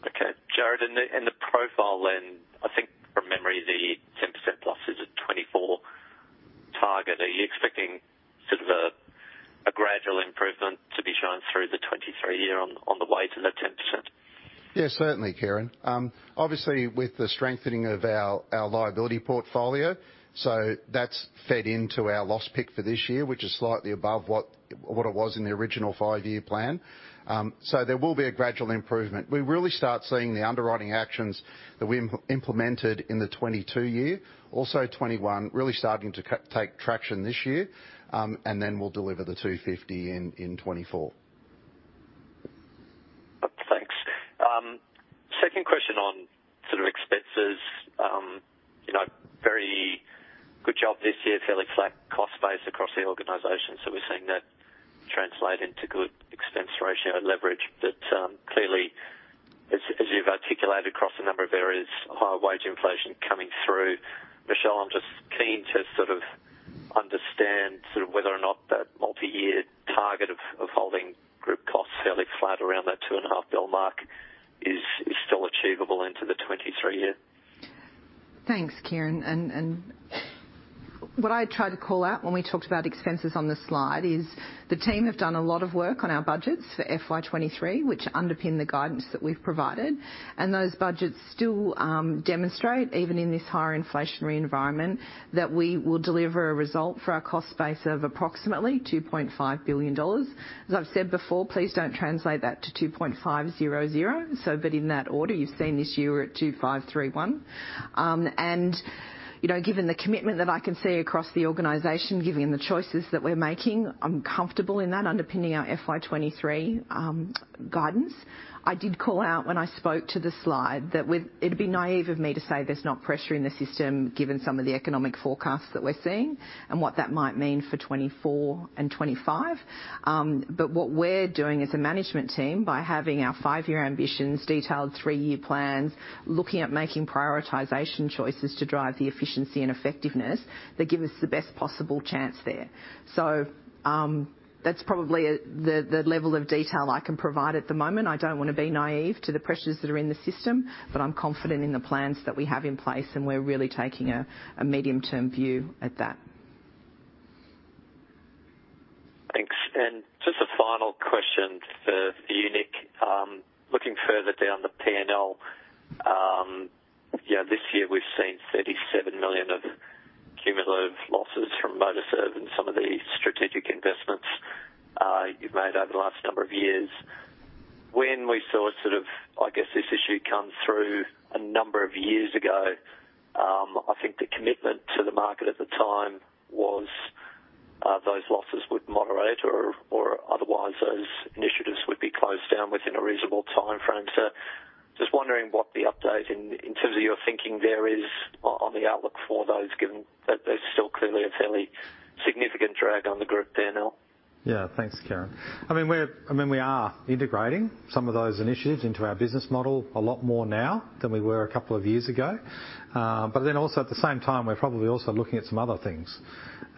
Okay. Jarrod, in the profit lens, I think from memory, the 10%+ is a 2024 target. Are you expecting sort of a gradual improvement to be shown through the 2023 year on the way to the 10%? Yeah, certainly, Kieran. Obviously, with the strengthening of our liability portfolio, that's fed into our loss pick for this year, which is slightly above what it was in the original five-year plan. There will be a gradual improvement. We really start seeing the underwriting actions that we implemented in the 2022 year, also 2021, really starting to take traction this year, and then we'll deliver the 250 in 2024. Thanks. Second question on sort of expenses. You know, very good job this year, fairly flat cost base across the organization. We're seeing that translate into good expense ratio and leverage. Clearly, as you've articulated across a number of areas, higher wage inflation coming through. Flat around that 2.5 billion mark is still achievable into the 2023 year. Thanks, Kieren. What I tried to call out when we talked about expenses on the slide is the team have done a lot of work on our budgets for FY2023, which underpin the guidance that we've provided. Those budgets still demonstrate, even in this higher inflationary environment, that we will deliver a result for our cost base of approximately 2.5 billion dollars. As I've said before, please don't translate that to 2.500, so but in that order, you've seen this year we're at 2,531 million. You know, given the commitment that I can see across the organization, given the choices that we're making, I'm comfortable with that underpinning our FY2023 guidance. I did call out when I spoke to the slide that it'd be naive of me to say there's not pressure in the system given some of the economic forecasts that we're seeing and what that might mean for 2024 and 2025. What we're doing as a management team by having our five-year ambitions, detailed three-year plans, looking at making prioritization choices to drive the efficiency and effectiveness that give us the best possible chance there. That's probably the level of detail I can provide at the moment. I don't wanna be naive to the pressures that are in the system, but I'm confident in the plans that we have in place, and we're really taking a medium-term view at that. Thanks. Just a final question for you, Nick. Looking further down the P&L, you know, this year we've seen 37 million of cumulative losses from MotorServe and some of the strategic investments you've made over the last number of years. When we saw sort of, I guess, this issue come through a number of years ago, I think the commitment to the market at the time was those losses would moderate or otherwise those initiatives would be closed down within a reasonable timeframe. Just wondering what the update in terms of your thinking there is on the outlook for those, given that there's still clearly a fairly significant drag on the group P&L. Yeah. Thanks, Kieren. I mean, we are integrating some of those initiatives into our business model a lot more now than we were a couple of years ago. also at the same time, we're probably also looking at some other things.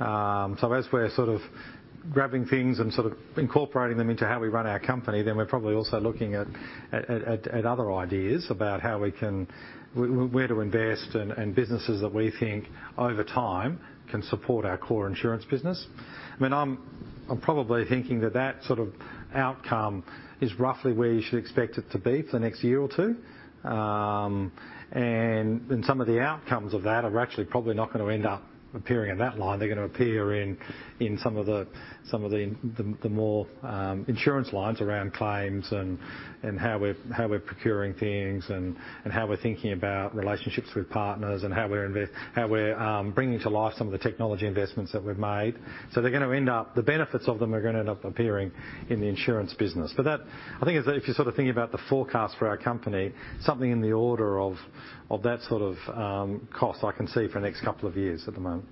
as we're sort of grabbing things and sort of incorporating them into how we run our company, then we're probably also looking at other ideas about how we can where to invest and businesses that we think over time can support our core insurance business. I mean, I'm probably thinking that sort of outcome is roughly where you should expect it to be for the next year or two. some of the outcomes of that are actually probably not gonna end up appearing in that line. They're gonna appear in some of the more insurance lines around claims and how we're procuring things and how we're thinking about relationships with partners and how we're bringing to life some of the technology investments that we've made. They're gonna end up, the benefits of them are gonna end up appearing in the insurance business. I think if you're sort of thinking about the forecast for our company, something in the order of that sort of cost I can see for the next couple of years at the moment.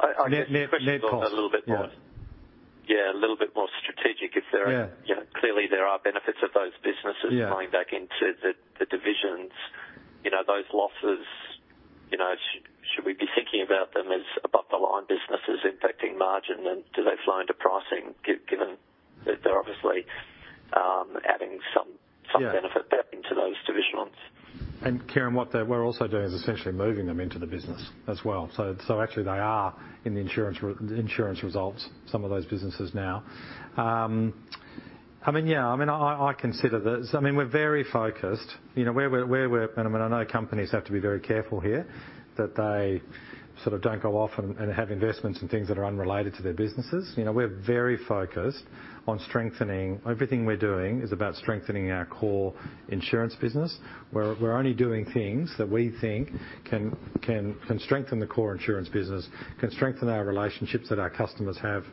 I guess the question is a little bit more. Net cost. Yeah, a little bit more strategic if there are. Yeah. You know, clearly there are benefits of those businesses. Yeah. Coming back into the divisions. You know, those losses, you know, should we be thinking about them as above the line businesses impacting margin? Do they flow into pricing given that they're obviously adding some benefit back into those divisions? Kieren, we're also doing is essentially moving them into the business as well. Actually they are in the insurance results, some of those businesses now. I mean, I consider this. I mean, we're very focused. You know, where we're and I mean, I know companies have to be very careful here that they sort of don't go off and have investments in things that are unrelated to their businesses. You know, we're very focused on strengthening everything we're doing is about strengthening our core insurance business, where we're only doing things that we think can strengthen the core insurance business, can strengthen our relationships that our customers have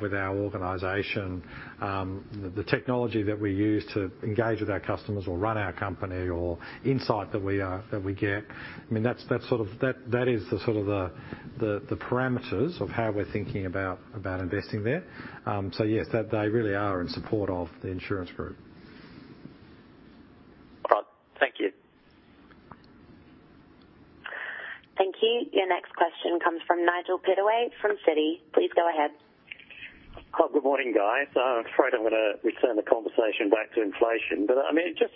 with our organization. The technology that we use to engage with our customers or run our company or insight that we get. I mean, that's sort of the parameters of how we're thinking about investing there. Yes, they really are in support of the insurance group. All right. Thank you. Thank you. Your next question comes from Nigel Pittaway from Citi. Please go ahead. Oh, good morning, guys. I'm afraid I'm gonna return the conversation back to inflation, but I mean, it just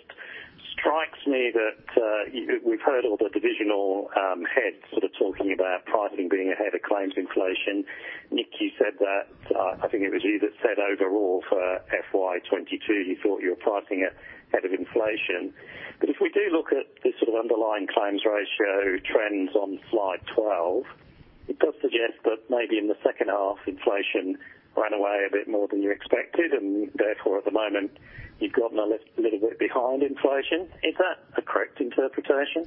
strikes me that we've heard all the divisional heads sort of talking about pricing being ahead of claims inflation. Nick, you said that, I think it was you that said overall for FY2022, you thought you were pricing it ahead of inflation. If we do look at the sort of underlying claims ratio trends on slide 12, it does suggest that maybe in the second half, inflation ran away a bit more than you expected, and therefore at the moment, you've gotten a little bit behind inflation. Is that a correct interpretation?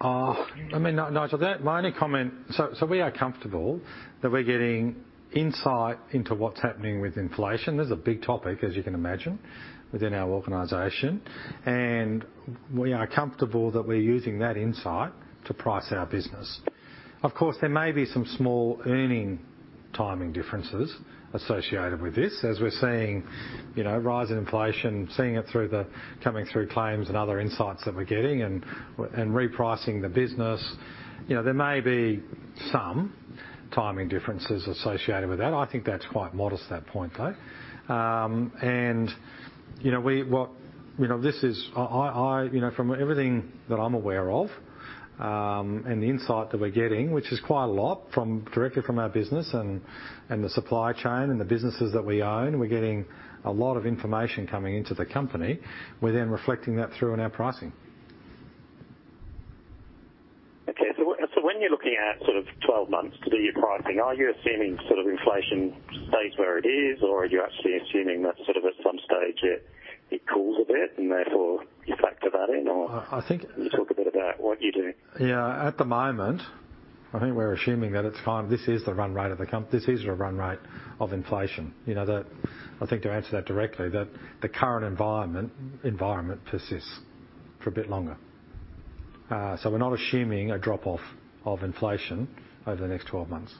I mean, Nigel, that my only comment. We are comfortable that we're getting insight into what's happening with inflation. This is a big topic, as you can imagine, within our organization, and we are comfortable that we're using that insight to price our business. Of course, there may be some small earning timing differences associated with this, as we're seeing, you know, rise in inflation, seeing it through the coming through claims and other insights that we're getting and repricing the business. You know, there may be some timing differences associated with that. I think that's quite modest at that point, though. You know, this is I. You know, from everything that I'm aware of, and the insight that we're getting, which is quite a lot directly from our business and the supply chain and the businesses that we own, we're getting a lot of information coming into the company. We're then reflecting that through in our pricing. Okay. When you're looking at sort of 12 months to do your pricing, are you assuming sort of inflation stays where it is, or are you actually assuming that sort of at some stage it cools a bit and therefore you factor that in or? I think. Can you talk a bit about what you're doing? Yeah, at the moment, I think we're assuming that it's fine. This is the run rate of inflation. You know, that I think to answer that directly, that the current environment persists for a bit longer. We're not assuming a drop-off of inflation over the next 12 months.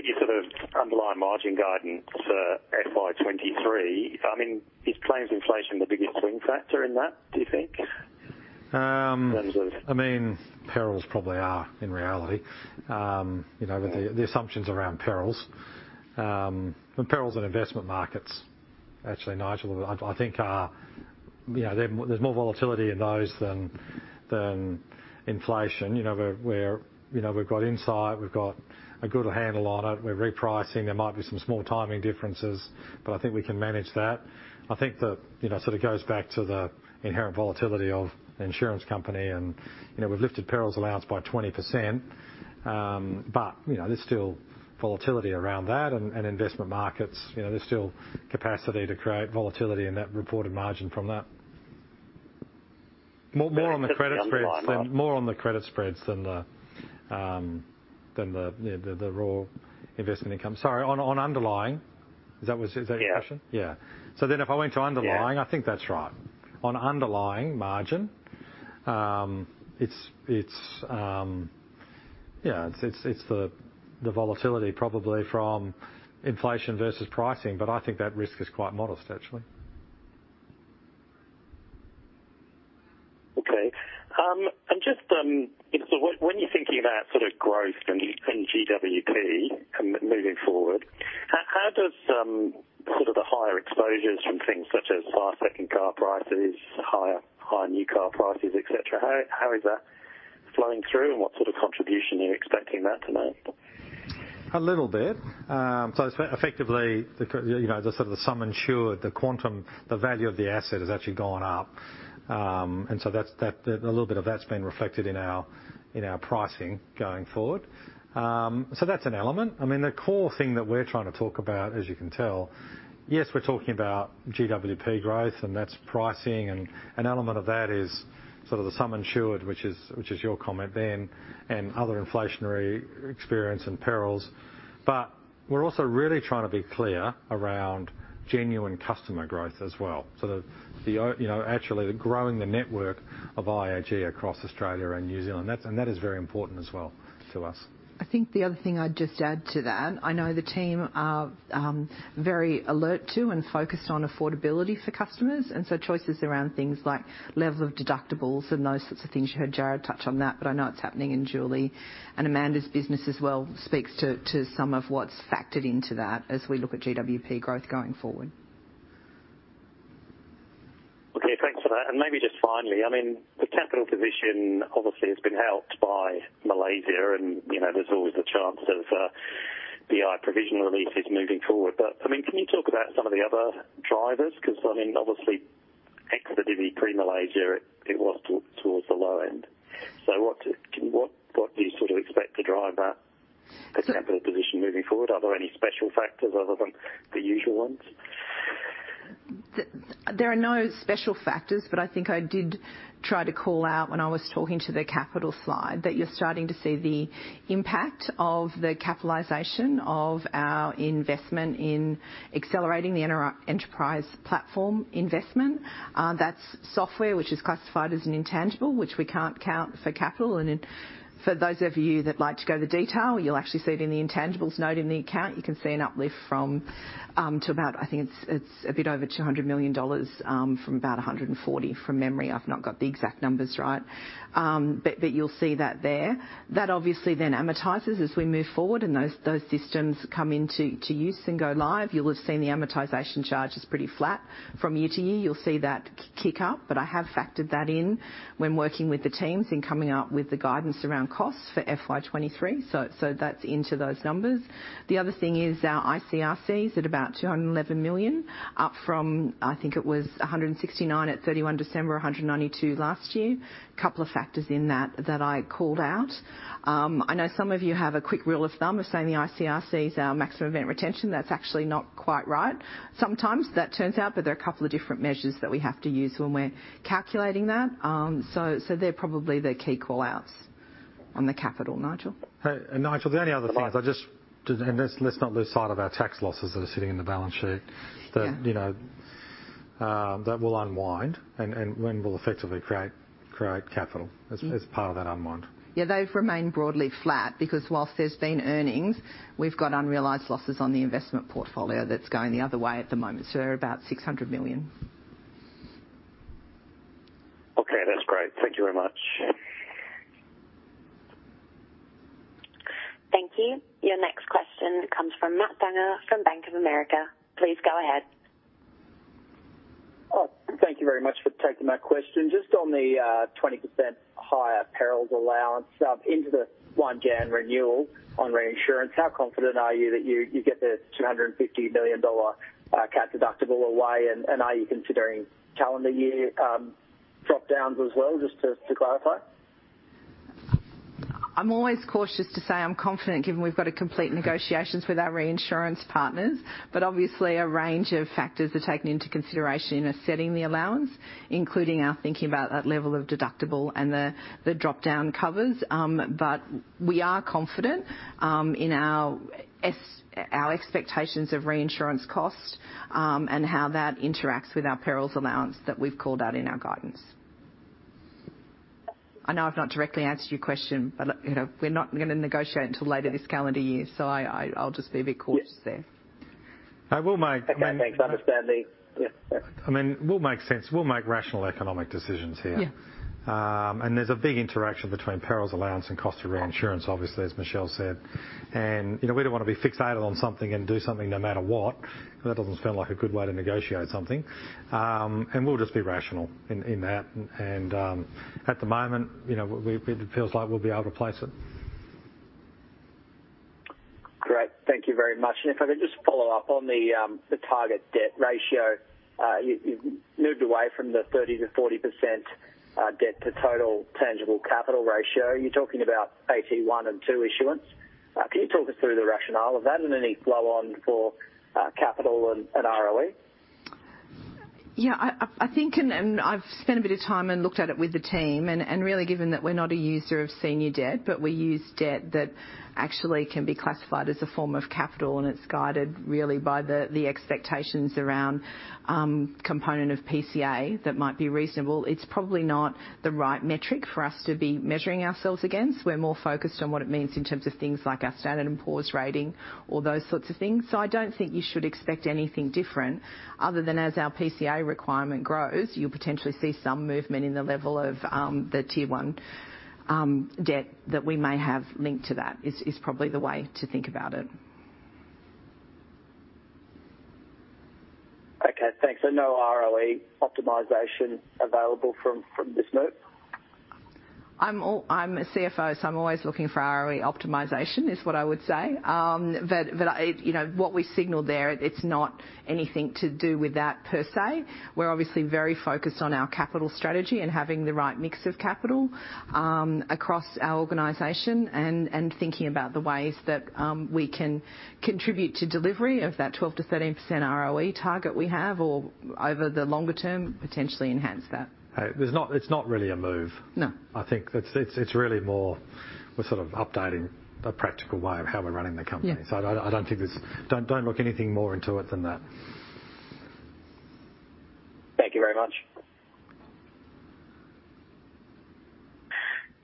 Okay. When you look at your sort of underlying margin guidance for FY2023, I mean, is claims inflation the biggest wind factor in that, do you think? Um- In terms of. I mean, perils probably are in reality. You know. Yeah The assumptions around perils. The perils in investment markets, actually, Nigel, I think are, you know, there's more volatility in those than inflation. You know, we're you know, we've got insight, we've got a good handle on it, we're repricing. There might be some small timing differences, but I think we can manage that. I think the, you know, sort of goes back to the inherent volatility of the insurance company and, you know, we've lifted perils allowance by 20%. You know, there's still volatility around that and investment markets. You know, there's still capacity to create volatility in that reported margin from that. More on the credit spreads than the raw investment income. Sorry, on underlying. Is that your question? Yeah. Yeah. If I went to underlying Yeah I think that's right. On underlying margin, it's the volatility probably from inflation versus pricing, but I think that risk is quite modest, actually. When you're thinking about sort of growth in GWP and moving forward, how does sort of the higher exposures from things such as higher second-hand car prices, higher new car prices, et cetera, how is that flowing through and what sort of contribution are you expecting that to make? A little bit. Effectively, you know, the sort of sum insured, the quantum, the value of the asset has actually gone up. So that's a little bit of that's been reflected in our pricing going forward. That's an element. I mean, the core thing that we're trying to talk about, as you can tell, yes, we're talking about GWP growth, and that's pricing, and an element of that is sort of the sum insured, which is your comment then, and other inflationary experience and perils. We're also really trying to be clear around genuine customer growth as well. The you know, actually growing the network of IAG across Australia and New Zealand. That's and that is very important as well to us. I think the other thing I'd just add to that, I know the team are very alert to and focused on affordability for customers, and so choices around things like level of deductibles and those sorts of things. You heard Jarrod touch on that, but I know it's happening in Julie and Amanda's business as well, speaks to some of what's factored into that as we look at GWP growth going forward. Okay, thanks for that. Maybe just finally, I mean, the capital position obviously has been helped by Malaysia and, you know, there's always the chance of BI provision releases moving forward. I mean, can you talk about some of the other drivers? 'Cause, I mean, obviously activity pre-Malaysia, it was towards the low end. What do you sort of expect to drive that, the capital position moving forward? Are there any special factors other than the usual ones? There are no special factors, but I think I did try to call out when I was talking to the capital slide, that you're starting to see the impact of the capitalization of our investment in accelerating the Enterprise Platform investment. That's software which is classified as an intangible, which we can't count for capital. Then for those of you that like to go to the detail, you'll actually see it in the intangibles note in the accounts. You can see an uplift from about AUD 140 million to a bit over 200 million dollars, from memory. I've not got the exact numbers right. But you'll see that there. That obviously then amortizes as we move forward and those systems come into use and go live. You'll have seen the amortization charge is pretty flat from year to year. You'll see that kick up, but I have factored that in when working with the teams in coming up with the guidance around costs for FY2023. So that's into those numbers. The other thing is our ICRC is at about 211 million, up from, I think it was 169 at 31st December, 192 last year. Couple of factors in that I called out. I know some of you have a quick rule of thumb of saying the ICRC is our maximum event retention. That's actually not quite right. Sometimes that turns out, but there are a couple of different measures that we have to use when we're calculating that. So they're probably the key call-outs on the capital, Nigel. Nigel, the only other thing, let's not lose sight of our tax losses that are sitting in the balance sheet. Yeah. That, you know, that will unwind and when we'll effectively create capital as part of that unwind. Yeah, they've remained broadly flat because while there's been earnings, we've got unrealized losses on the investment portfolio that's going the other way at the moment. They're about 600 million. Okay, that's great. Thank you very much. Thank you. Your next question comes from Matt Dunger from Bank of America. Please go ahead. Oh, thank you very much for taking my question. Just on the 20% higher perils allowance into the 1 January renewal on reinsurance, how confident are you that you get the 250 million dollar cat deductible away, and are you considering calendar year drop-downs as well, just to clarify? I'm always cautious to say I'm confident, given we've got to complete negotiations with our reinsurance partners. Obviously a range of factors are taken into consideration in setting the allowance, including our thinking about that level of deductible and the drop-down coverage. We are confident in our expectations of reinsurance costs, and how that interacts with our perils allowance that we've called out in our guidance. I know I've not directly answered your question, but you know, we're not gonna negotiate until later this calendar year, so I'll just be a bit cautious there. I will make- Okay, thanks. I understand. Yeah. I mean, we'll make sense, we'll make rational economic decisions here. Yeah. There's a big interaction between perils allowance and cost of reinsurance, obviously, as Michelle said. You know, we don't wanna be fixated on something and do something no matter what. That doesn't sound like a good way to negotiate something. We'll just be rational in that. At the moment, you know, it feels like we'll be able to place it. Great. Thank you very much. If I could just follow up on the target debt ratio. You moved away from the 30%-40% debt to total tangible capital ratio. Are you talking about AT1 and Tier 2 issuance? Can you talk us through the rationale of that and any flow on for capital and ROE? Yeah, I think and I've spent a bit of time and looked at it with the team, and really given that we're not a user of senior debt, but we use debt that actually can be classified as a form of capital, and it's guided really by the expectations around component of PCA that might be reasonable. It's probably not the right metric for us to be measuring ourselves against. We're more focused on what it means in terms of things like our Standard & Poor's rating or those sorts of things. I don't think you should expect anything different other than as our PCA requirement grows, you'll potentially see some movement in the level of the Tier one debt that we may have linked to that, is probably the way to think about it. Okay, thanks. No ROE optimization available from this move? I'm a CFO, so I'm always looking for ROE optimization, is what I would say. You know, what we signaled there, it's not anything to do with that per se. We're obviously very focused on our capital strategy and having the right mix of capital, across our organization and thinking about the ways that we can contribute to delivery of that 12%-13% ROE target we have, or over the longer term, potentially enhance that. It's not really a move. No. I think it's really more we're sort of updating a practical way of how we're running the company. Yeah. I don't think there's anything more into it than that. Thank you very much.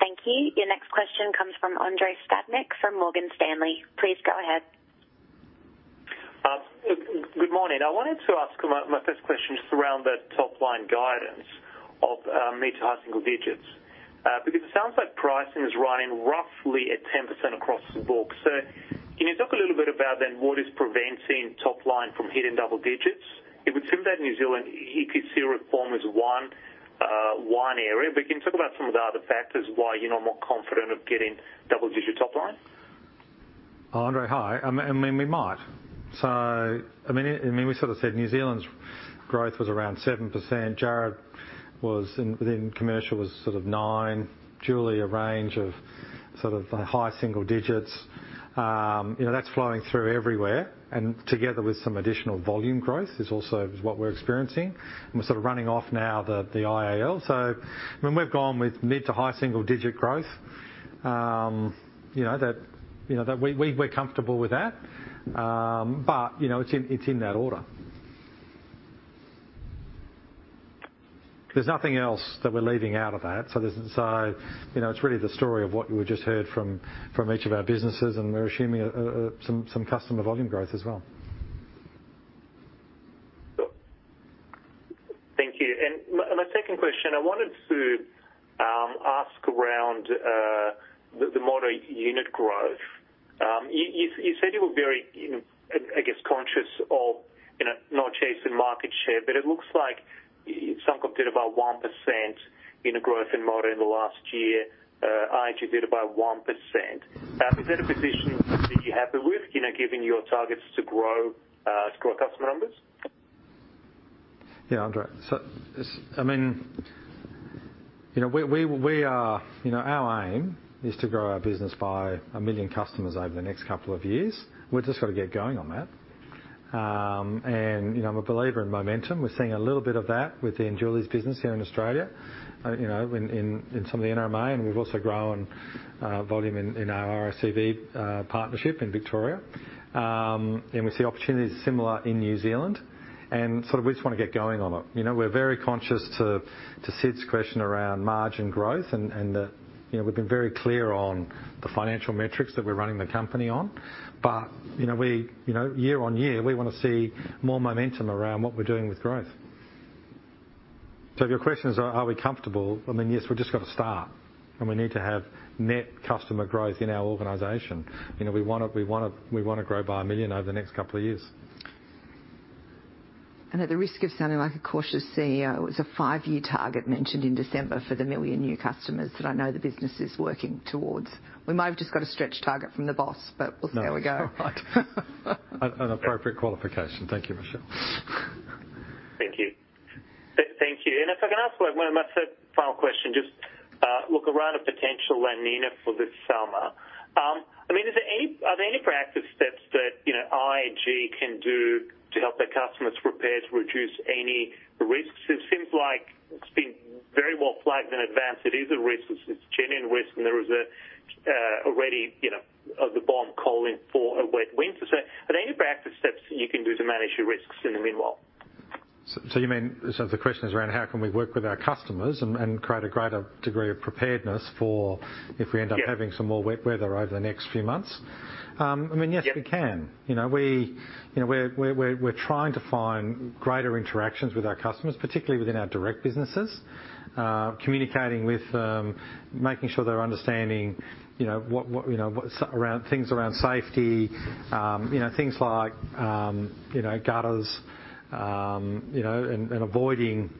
Thank you. Your next question comes from Andrei Stadnik from Morgan Stanley. Please go ahead. Good morning. I wanted to ask my first question just around the top line guidance of mid to high single digits. Because it sounds like pricing is rising roughly at 10% across the book. Can you talk a little bit about then what is preventing top line from hitting double digits? It would seem that New Zealand EQC reform is one area, but can you talk about some of the other factors why you're not more confident of getting double digit top line? Andrei, hi. I mean, we might. I mean, we sort of said New Zealand's growth was around 7%. Jarrod, within commercial, was sort of 9%. Julie, a range of sort of high single digits. You know, that's flowing through everywhere, and together with some additional volume growth is also what we're experiencing. We're sort of running off now the IAL. When we've gone with mid- to high-single-digit growth, you know that we're comfortable with that. But you know, it's in that order. There's nothing else that we're leaving out of that. You know, it's really the story of what you just heard from each of our businesses, and we're assuming some customer volume growth as well. Thank you. My second question, I wanted to ask around the motor unit growth. You said you were very, you know, I guess conscious of, you know, not chasing market share, but it looks like Suncorp did about 1% in growth in motor last year. I actually did about 1%. Is that a position that you're happy with, you know, given your targets to grow customer numbers? Yeah, Andrei. So, you know, we are. You know, our aim is to grow our business by 1 million customers over the next couple of years. We've just got to get going on that. You know, I'm a believer in momentum. We're seeing a little bit of that within Julie's business here in Australia, you know, in some of the NRMA, and we've also grown volume in our RACV partnership in Victoria. We see opportunities similar in New Zealand, and sort of we just want to get going on it. You know, we're very conscious to Siddharth Parameswaran's question around margin growth and the. You know, we've been very clear on the financial metrics that we're running the company on. You know, we, you know, year-on-year, we wanna see more momentum around what we're doing with growth. If your question is are we comfortable? I mean, yes, we've just got to start, and we need to have net customer growth in our organization. You know, we wanna grow by 1 million over the next couple of years. At the risk of sounding like a cautious CEO, it was a five-year target mentioned in December for 1 million new customers that I know the business is working towards. We might have just got a stretch target from the boss, but we'll see how we go. No. An appropriate qualification. Thank you, Michelle. Thank you. Thank you. If I can ask one of my third final question, just look around a potential La Niña for this summer. Is there any? Are there any proactive steps that, you know, IAG can do to help their customers prepare to reduce any risks? It seems like it's been very well flagged in advance. It is a risk. It's a genuine risk, and there is already, you know, of the BOM calling for a wet winter. Are there any proactive steps that you can do to manage your risks in the meanwhile? You mean the question is around how can we work with our customers and create a greater degree of preparedness for if we end up. Yeah having some more wet weather over the next few months? I mean, yes, we can. Yeah. You know, we're trying to find greater interactions with our customers, particularly within our direct businesses. Communicating with them, making sure they're understanding you know what around things around safety. You know, things like gutters. You know, and avoiding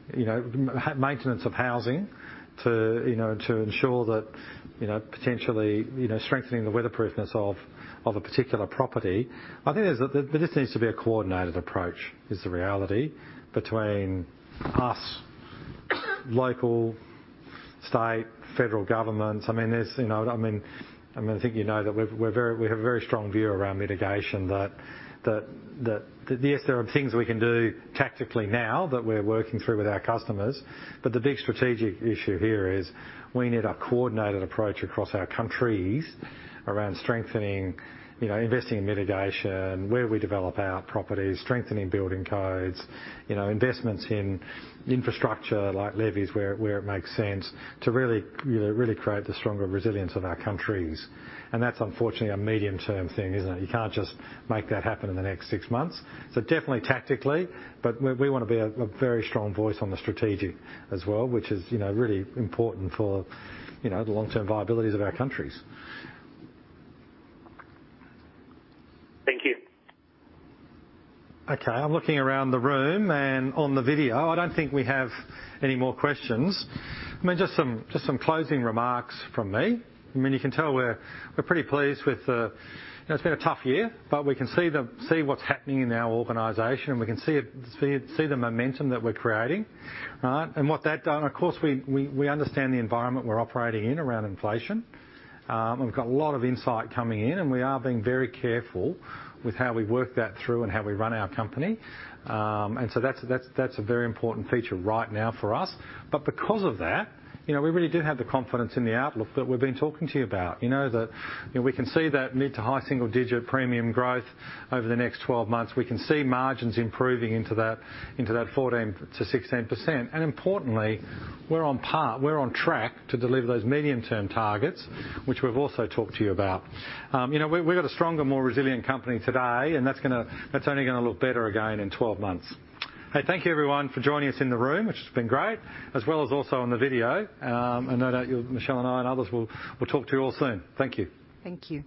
maintenance of housing to ensure that potentially strengthening the weatherproofness of a particular property. I think there just needs to be a coordinated approach, is the reality, between us, local, state, federal governments. I mean, there's you know I mean, I think you know that we have a very strong view around mitigation that yes, there are things we can do tactically now that we're working through with our customers, but the big strategic issue here is we need a coordinated approach across our countries around strengthening, you know, investing in mitigation, where we develop our properties, strengthening building codes. You know, investments in infrastructure like levees where it makes sense to really, you know, create the stronger resilience of our countries. That's unfortunately a medium term thing, isn't it? You can't just make that happen in the next six months. Definitely tactically, but we wanna be a very strong voice on the strategic as well, which is, you know, really important for, you know, the long-term viability of our countries. Thank you. Okay. I'm looking around the room and on the video. I don't think we have any more questions. I mean, just some closing remarks from me. I mean, you can tell we're pretty pleased. You know, it's been a tough year, but we can see what's happening in our organization, and we can see the momentum that we're creating, right? Of course, we understand the environment we're operating in around inflation. We've got a lot of insight coming in, and we are being very careful with how we work that through and how we run our company. That's a very important feature right now for us. Because of that, you know, we really do have the confidence in the outlook that we've been talking to you about. You know, we can see that mid- to high-single-digit premium growth over the next 12 months. We can see margins improving into that 14%-16%. Importantly, we're on par, we're on track to deliver those medium term targets, which we've also talked to you about. You know, we've got a stronger, more resilient company today, and that's only gonna look better again in 12 months. Hey, thank you everyone for joining us in the room, which has been great, as well as also on the video. Michelle and I and others will talk to you all soon. Thank you. Thank you.